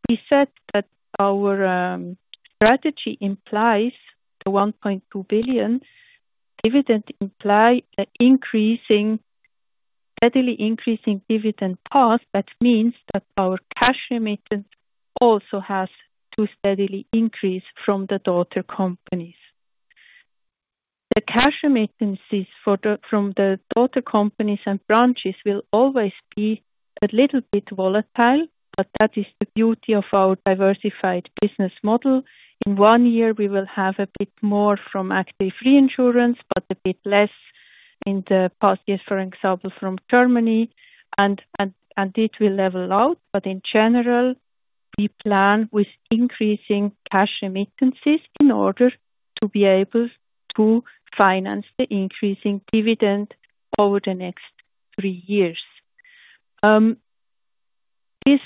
Speaker 4: we said that our strategy implies the 1.2 billion dividend imply an increasing, steadily increasing dividend path. That means that our cash remittance also has to steadily increase from the daughter companies. The cash remittances from the daughter companies and branches will always be a little bit volatile, but that is the beauty of our diversified business model. In one year, we will have a bit more from Active Reinsurance, but a bit less in the past years, for example, from Germany, and it will level out. But in general, we plan with increasing cash remittances in order to be able to finance the increasing dividend over the next three years. This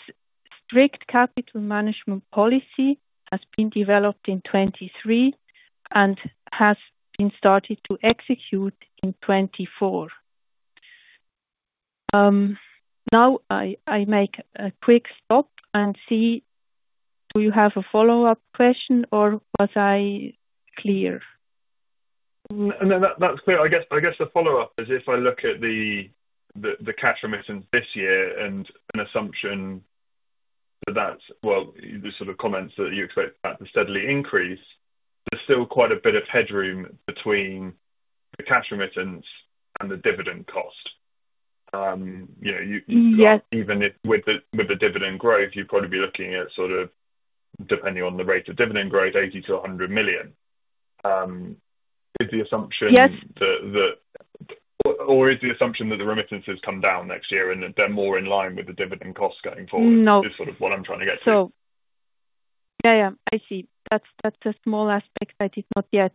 Speaker 4: strict capital management policy has been developed in 2023 and has been started to execute in 2024. Now I make a quick stop and see, do you have a follow-up question or was I clear?
Speaker 7: No, that's clear. I guess the follow-up is if I look at the cash remittance this year and an assumption that that's, well, the sort of comments that you expect that to steadily increase, there's still quite a bit of headroom between the cash remittance and the dividend cost. You know
Speaker 4: Yes
Speaker 7: Even with the dividend growth, you'd probably be looking at sort of depending on the rate of dividend growth, 80 million-100 million. Is the assumption-
Speaker 4: Yes
Speaker 7: That or is the assumption that the remittances come down next year and that they're more in line with the dividend costs going forward?
Speaker 4: No
Speaker 7: It's sort of what I'm trying to get to.
Speaker 4: So, yeah, I see. That's a small aspect that is not yet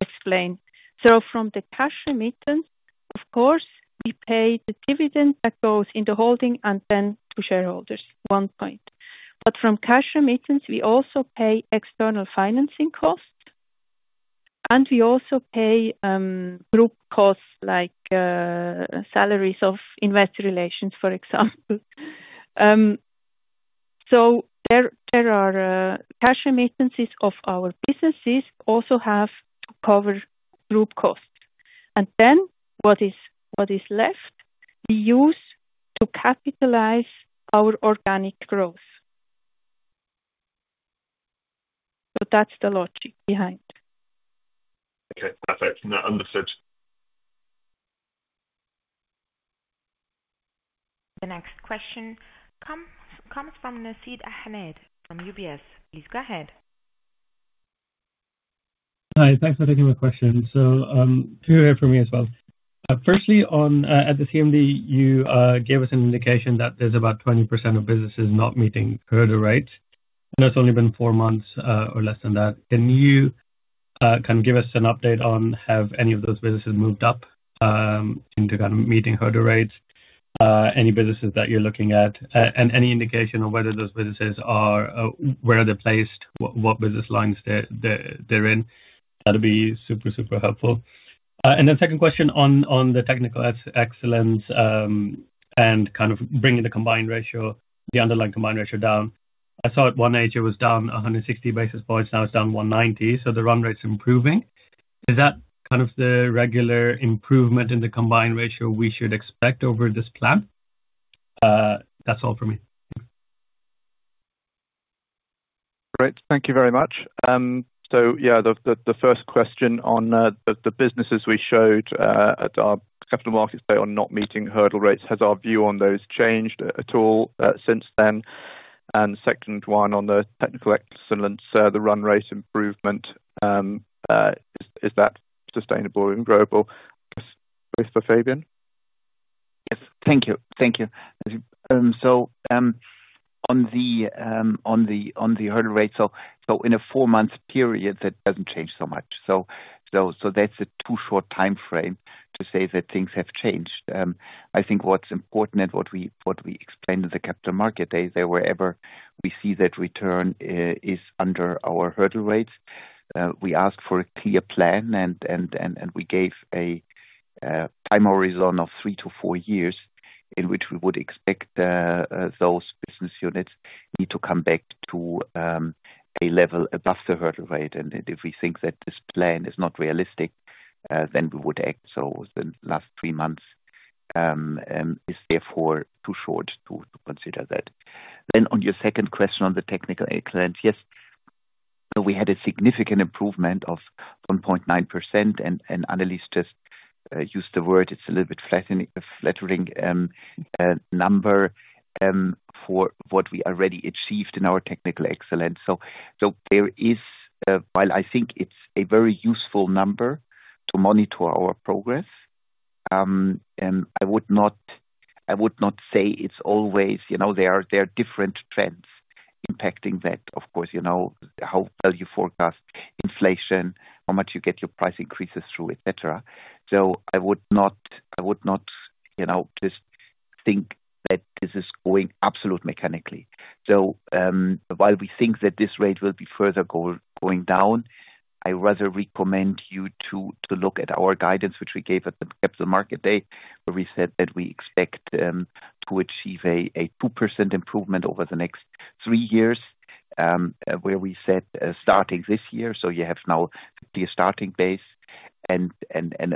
Speaker 4: explained. So from the cash remittance, of course, we pay the dividend that goes in the holding and then to shareholders, one point. But from cash remittance, we also pay external financing costs, and we also pay group costs like salaries of investor relations, for example. So there are cash remittances of our businesses also have to cover group costs. And then what is left, we use to capitalize our organic growth. So that's the logic behind.
Speaker 7: Okay, perfect. Understood.
Speaker 1: The next question comes from Nasib Ahmed from UBS. Please go ahead.
Speaker 8: Hi, thanks for taking my question. So, can you hear from me as well? Firstly, at the CMD, you gave us an indication that there's about 20% of businesses not meeting hurdle rates, and that's only been four months, or less than that. Can you kind of give us an update on have any of those businesses moved up, into kind of meeting hurdle rates, any businesses that you're looking at, and any indication of whether those businesses are, where are they placed, what business lines they're in? That'd be super helpful. And then second question on the technical excellence, and kind of bringing the combined ratio, the underlying combined ratio down. I saw at one stage it was down 160 basis points, now it's down 190, so the run rate's improving. Is that kind of the regular improvement in the combined ratio we should expect over this plan? That's all for me.
Speaker 2: Great, thank you very much. So yeah, the first question on the businesses we showed at our Capital Market Day on not meeting hurdle rates, has our view on those changed at all since then? And second one on the technical excellence, the run rate improvement, is that sustainable and growable? Both for Fabian.
Speaker 3: Yes, thank you. Thank you. So, on the hurdle rate, so in a four-month period, that doesn't change so much. So that's a too short time frame to say that things have changed. I think what's important and what we explained in the Capital Market Day, wherever we see that return is under our hurdle rates, we asked for a clear plan, and we gave a time horizon of three to four years in which we would expect those business units need to come back to a level above the hurdle rate. And if we think that this plan is not realistic, then we would. So the last three months is therefore too short to consider that. Then on your second question on the technical excellence, yes, so we had a significant improvement of 1.9%, and Annelis just used the word, it's a little bit flattering number for what we already achieved in our technical excellence. So there is, while I think it's a very useful number to monitor our progress, I would not say it's always, you know, there are different trends impacting that, of course, you know, how well you forecast inflation, how much you get your price increases through, etc. So I would not, you know, just think that this is going absolute mechanically. So, while we think that this rate will be further going down. I rather recommend you to look at our guidance, which we gave at the Capital Market Day, where we said that we expect to achieve a 2% improvement over the next three years, where we said, starting this year, so you have now the starting base.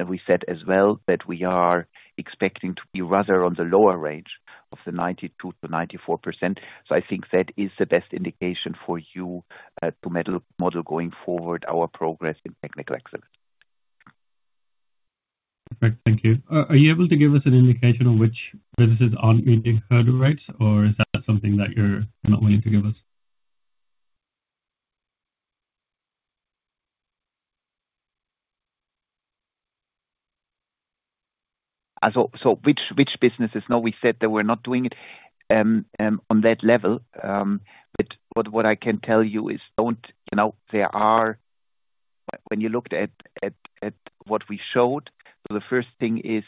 Speaker 3: We said as well that we are expecting to be rather on the lower range of the 92%-94%. So I think that is the best indication for you to model going forward our progress in technical excellence.
Speaker 8: Perfect, thank you. Are you able to give us an indication of which businesses aren't meeting hurdle rates, or is that something that you're not willing to give us?
Speaker 3: So which businesses? No, we said that we're not doing it on that level. But what I can tell you is, you know, there are when you looked at what we showed. So, the first thing is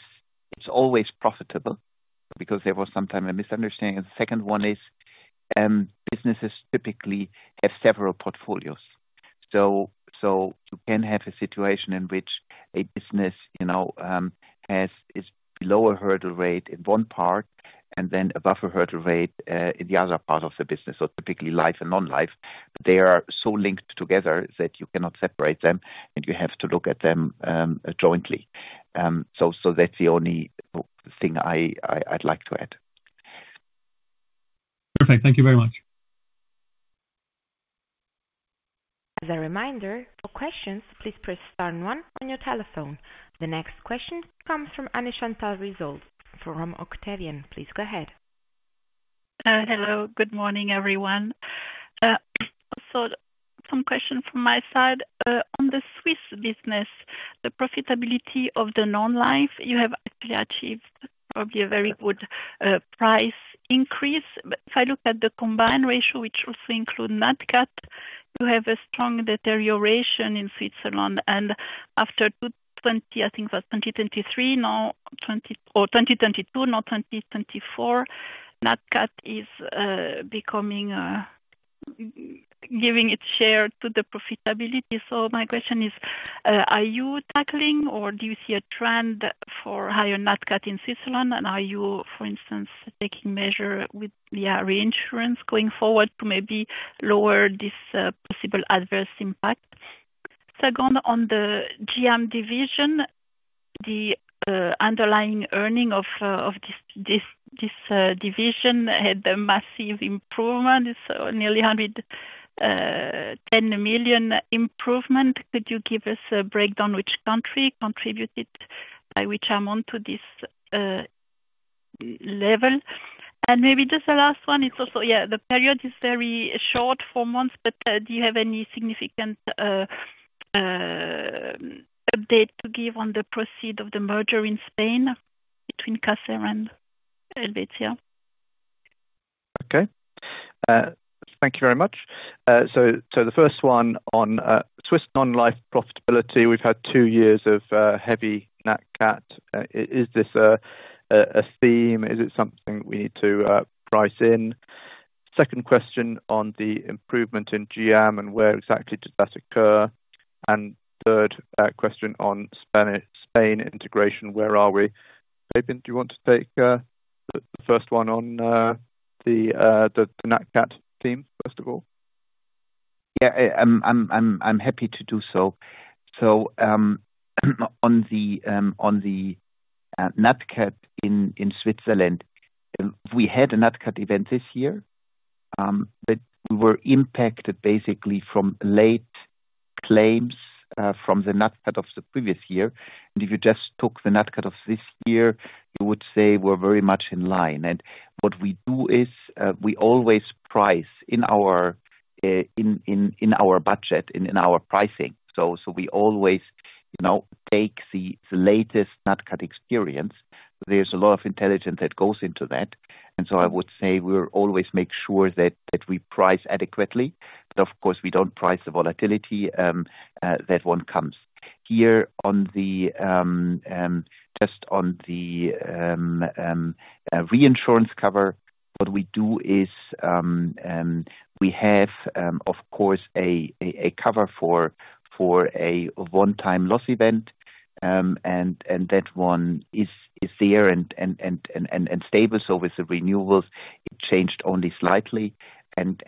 Speaker 3: it's always profitable because there was sometimes a misunderstanding. The second one is, businesses typically have several portfolios. So, you can have a situation in which a business, you know, has below a hurdle rate in one part and then above a hurdle rate in the other part of the business, so typically life and non-life. They are so linked together that you cannot separate them, and you have to look at them jointly. So that's the only thing I'd like to add.
Speaker 8: Perfect, thank you very much.
Speaker 1: As a reminder, for questions, please press star one on your telephone. The next question comes from Anne-Chantal Risold from Octavian. Please go ahead.
Speaker 9: Hello, good morning everyone. Some question from my side on the Swiss business, the profitability of the non-life. You have actually achieved probably a very good price increase. But if I look at the combined ratio, which also includes NatCat, you have a strong deterioration in Switzerland. After 2020, I think it was 2023, now 2024 or 2022, now 2024, NatCat is becoming, giving its share to the profitability. So my question is, are you tackling or do you see a trend for higher NatCat in Switzerland? And are you, for instance, taking measures with the reinsurance going forward to maybe lower this possible adverse impact? Second, on the EM division, the underlying earnings of this division had a massive improvement, so nearly 110 million improvement. Could you give us a breakdown which country contributed by which amount to this level? And maybe just the last one, it's also, yeah, the period is very short, four months, but do you have any significant update to give on the progress of the merger in Spain between Caser and Helvetia?
Speaker 2: Okay, thank you very much. So the first one on Swiss non-life profitability, we've had two years of heavy NatCat. Is this a theme? Is it something we need to price in? Second question on the improvement in EM and where exactly did that occur? And third question on Spain integration, where are we? Fabian, do you want to take the first one on the NatCat theme first of all?
Speaker 3: Yeah, I'm happy to do so. So on the NatCat in Switzerland, we had a NatCat event this year, but we were impacted basically from late claims from the NatCat of the previous year. And if you just took the NatCat of this year, you would say we're very much in line. And what we do is we always price in our budget in our pricing. So we always, you know, take the latest NatCat experience. There's a lot of intelligence that goes into that. And so I would say we always make sure that we price adequately. But of course, we don't price the volatility, that one comes. Here on the, just on the, reinsurance cover, what we do is, we have, of course, a cover for a one-time loss event. And that one is there and stable. So with the renewals, it changed only slightly. And,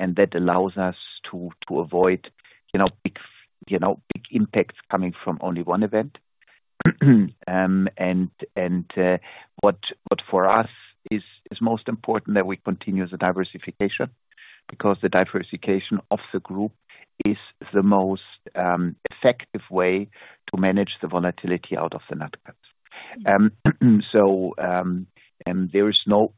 Speaker 3: what for us is most important that we continue the diversification because the diversification of the group is the most effective way to manage the volatility out of the NatCat. So, there is no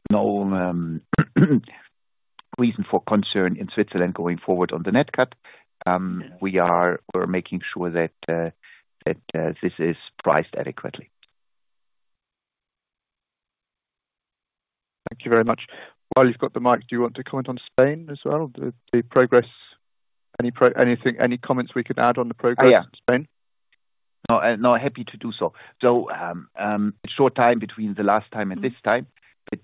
Speaker 3: reason for concern in Switzerland going forward on the NatCat. We're making sure that this is priced adequately.
Speaker 2: Thank you very much. While you've got the mic, do you want to comment on Spain as well? The progress, anything, any comments we can add on the progress in Spain?
Speaker 3: Yeah, no, happy to do so. So, short time between the last time and this time, but,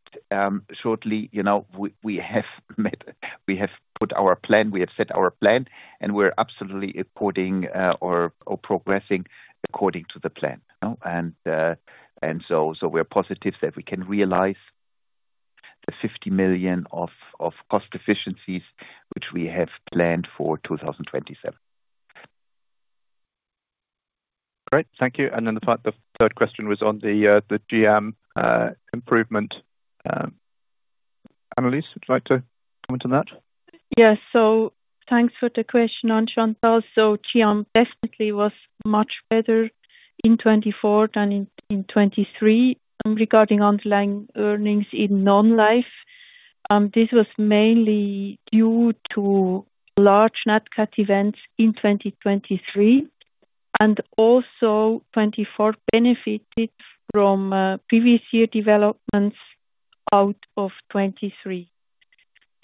Speaker 3: shortly, you know, we have met, we have put our plan, we have set our plan, and we're absolutely according, or progressing according to the plan. And so we're positive that we can realize the 50 million of cost efficiencies which we have planned for 2027.
Speaker 2: Great, thank you. And then the third question was on the EM improvement. Annelis, would you like to comment on that?
Speaker 4: Yeah, so thanks for the question, Anne-Chantal. So Germany definitely was much better in 2024 than in 2023 regarding underlying earnings in non-life. This was mainly due to large NatCat events in 2023 and also 2024 benefited from previous year developments out of 2023.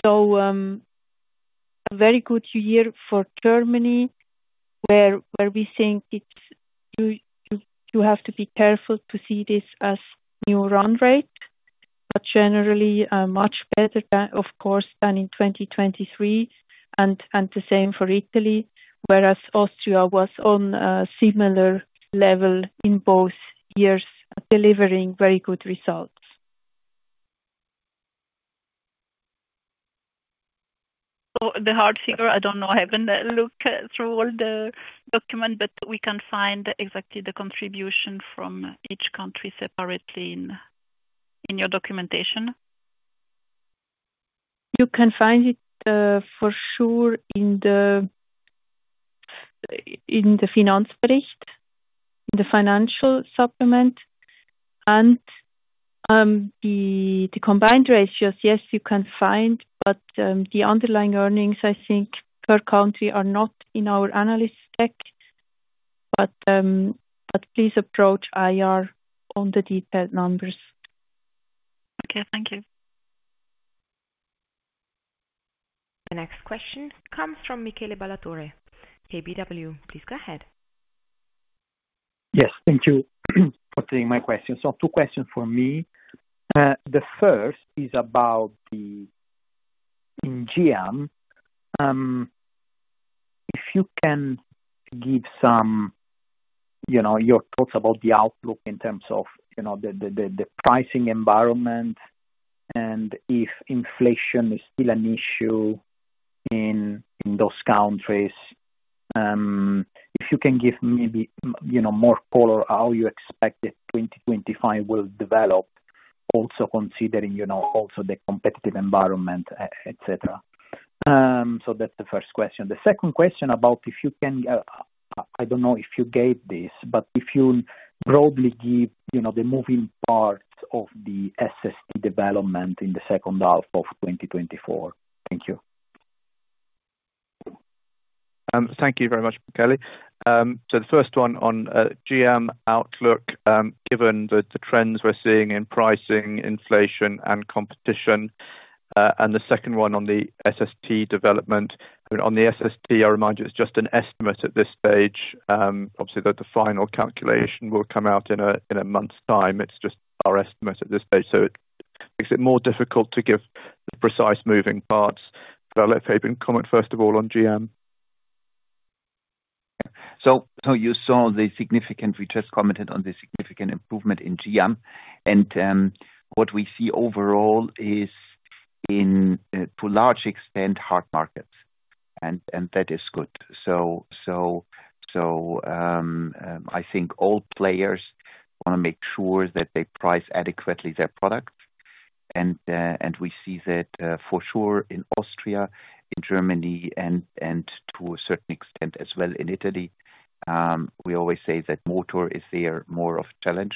Speaker 4: So, a very good year for Germany where we think it. You have to be careful to see this as new run rate, but generally a much better, of course, than in 2023 and the same for Italy, whereas Austria was on a similar level in both years delivering very good results. So the hard figure, I don't know, I haven't looked through all the documents, but we can find exactly the contribution from each country separately in your documentation. You can find it, for sure in the Finanzbericht, in the financial supplement. The combined ratios, yes, you can find, but the underlying earnings, I think, per country are not in our analyst deck, but please approach IR on the detailed numbers.
Speaker 9: Okay, thank you.
Speaker 1: The next question comes from Michele Ballatore, KBW. Please go ahead.
Speaker 10: Yes, thank you for taking my question. So two questions for me. The first is about the in Germany. If you can give some, you know, your thoughts about the outlook in terms of, you know, the pricing environment and if inflation is still an issue in those countries, if you can give maybe, you know, more color how you expect that 2025 will develop, also considering, you know, also the competitive environment, etc. So that's the first question. The second question about if you can, I don't know if you gave this, but if you broadly give, you know, the moving parts of the SST development in the second half of 2024? Thank you.
Speaker 2: Thank you very much, Michele. So the first one on EM outlook, given the trends we're seeing in pricing, inflation, and competition, and the second one on the SST development. I mean, on the SST, I remind you, it's just an estimate at this stage. Obviously, the final calculation will come out in a month's time. It's just our estimate at this stage. So it makes it more difficult to give the precise moving parts. But let Fabian comment, first of all, on EM.
Speaker 3: So you saw the significant we just commented on the significant improvement in EM. What we see overall is, to a large extent, hard markets. That is good. So, I think all players want to make sure that they price adequately their product. We see that, for sure in Austria, in Germany, and to a certain extent as well in Italy. We always say that motor is there more of a challenge.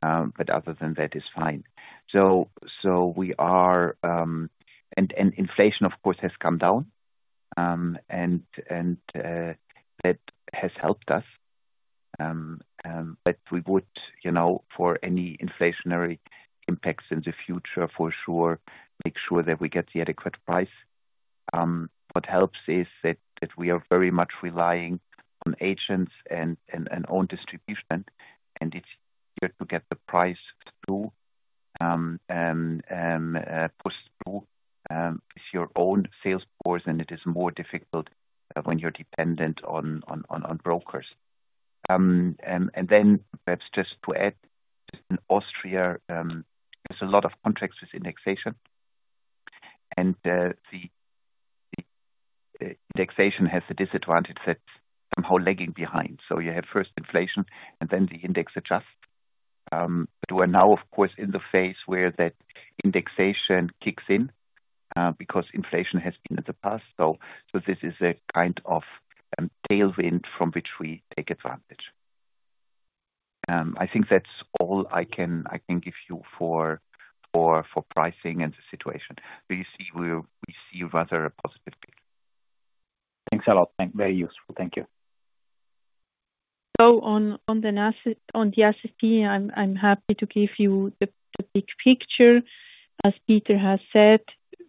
Speaker 3: But other than that, it's fine. So we are, and inflation, of course, has come down. And that has helped us. But we would, you know, for any inflationary impacts in the future, for sure, make sure that we get the adequate price. What helps is that we are very much relying on agents and own distribution. It's easier to get the price through and push through with your own sales force. It is more difficult when you're dependent on brokers. Then perhaps just to add, in Austria, there's a lot of contracts with indexation. The indexation has the disadvantage that's somehow lagging behind. So you have first inflation, and then the index adjusts. But we're now, of course, in the phase where that indexation kicks in, because inflation has been in the past. So this is a kind of tailwind from which we take advantage. I think that's all I can give you for pricing and the situation. We see rather a positive picture.
Speaker 10: Thanks a lot. Very useful. Thank you.
Speaker 4: So on the SST, I'm happy to give you the big picture. As Peter has said,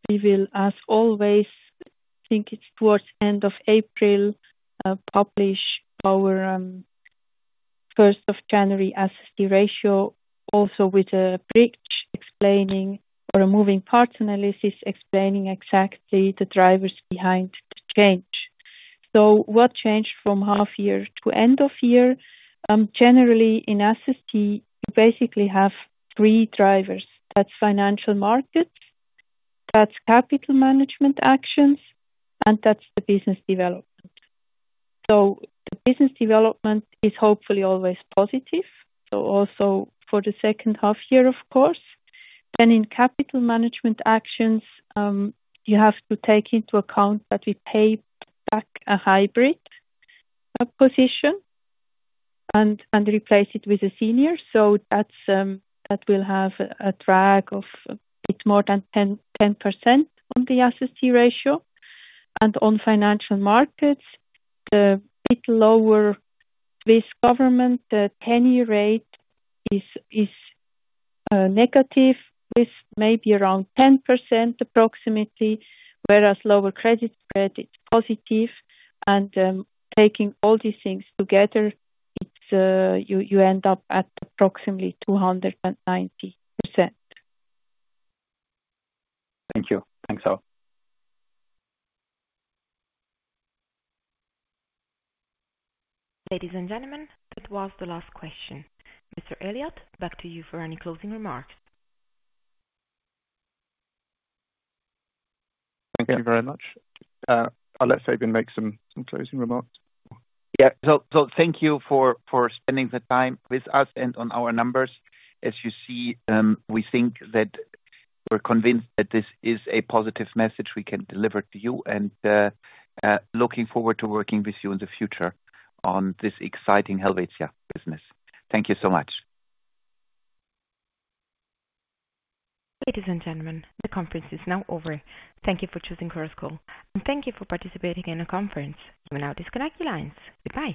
Speaker 4: we will also always, I think it's towards the end of April, publish our first of January SST ratio, also with a bridge explaining or a moving parts analysis explaining exactly the drivers behind the change. So what changed from half year to end of year? Generally in SST, you basically have three drivers. That's financial markets, that's capital management actions, and that's the business development. So the business development is hopefully always positive, so also for the second half year, of course. Then in capital management actions, you have to take into account that we pay back a hybrid position and replace it with a senior. So that's that will have a drag of a bit more than 10% on the SST ratio. And on financial markets, the 10-year Swiss government, the ten-year rate is negative with maybe around 10% approximately, whereas lower credit spread is positive. And taking all these things together, it's you end up at approximately 290%.
Speaker 10: Thank you. Thanks a lot.
Speaker 1: Ladies and gentlemen, that was the last question. Mr. Eliot, back to you for any closing remarks.
Speaker 2: Thank you very much. I'll let Fabian make some closing remarks.
Speaker 3: Yeah, so thank you for spending the time with us and on our numbers. As you see, we think that we're convinced that this is a positive message we can deliver to you and looking forward to working with you in the future on this exciting Helvetia business. Thank you so much.
Speaker 1: Ladies and gentlemen, the conference is now over. Thank you for choosing Chorus Call, and thank you for participating in the conference. You may now disconnect your lines. Goodbye.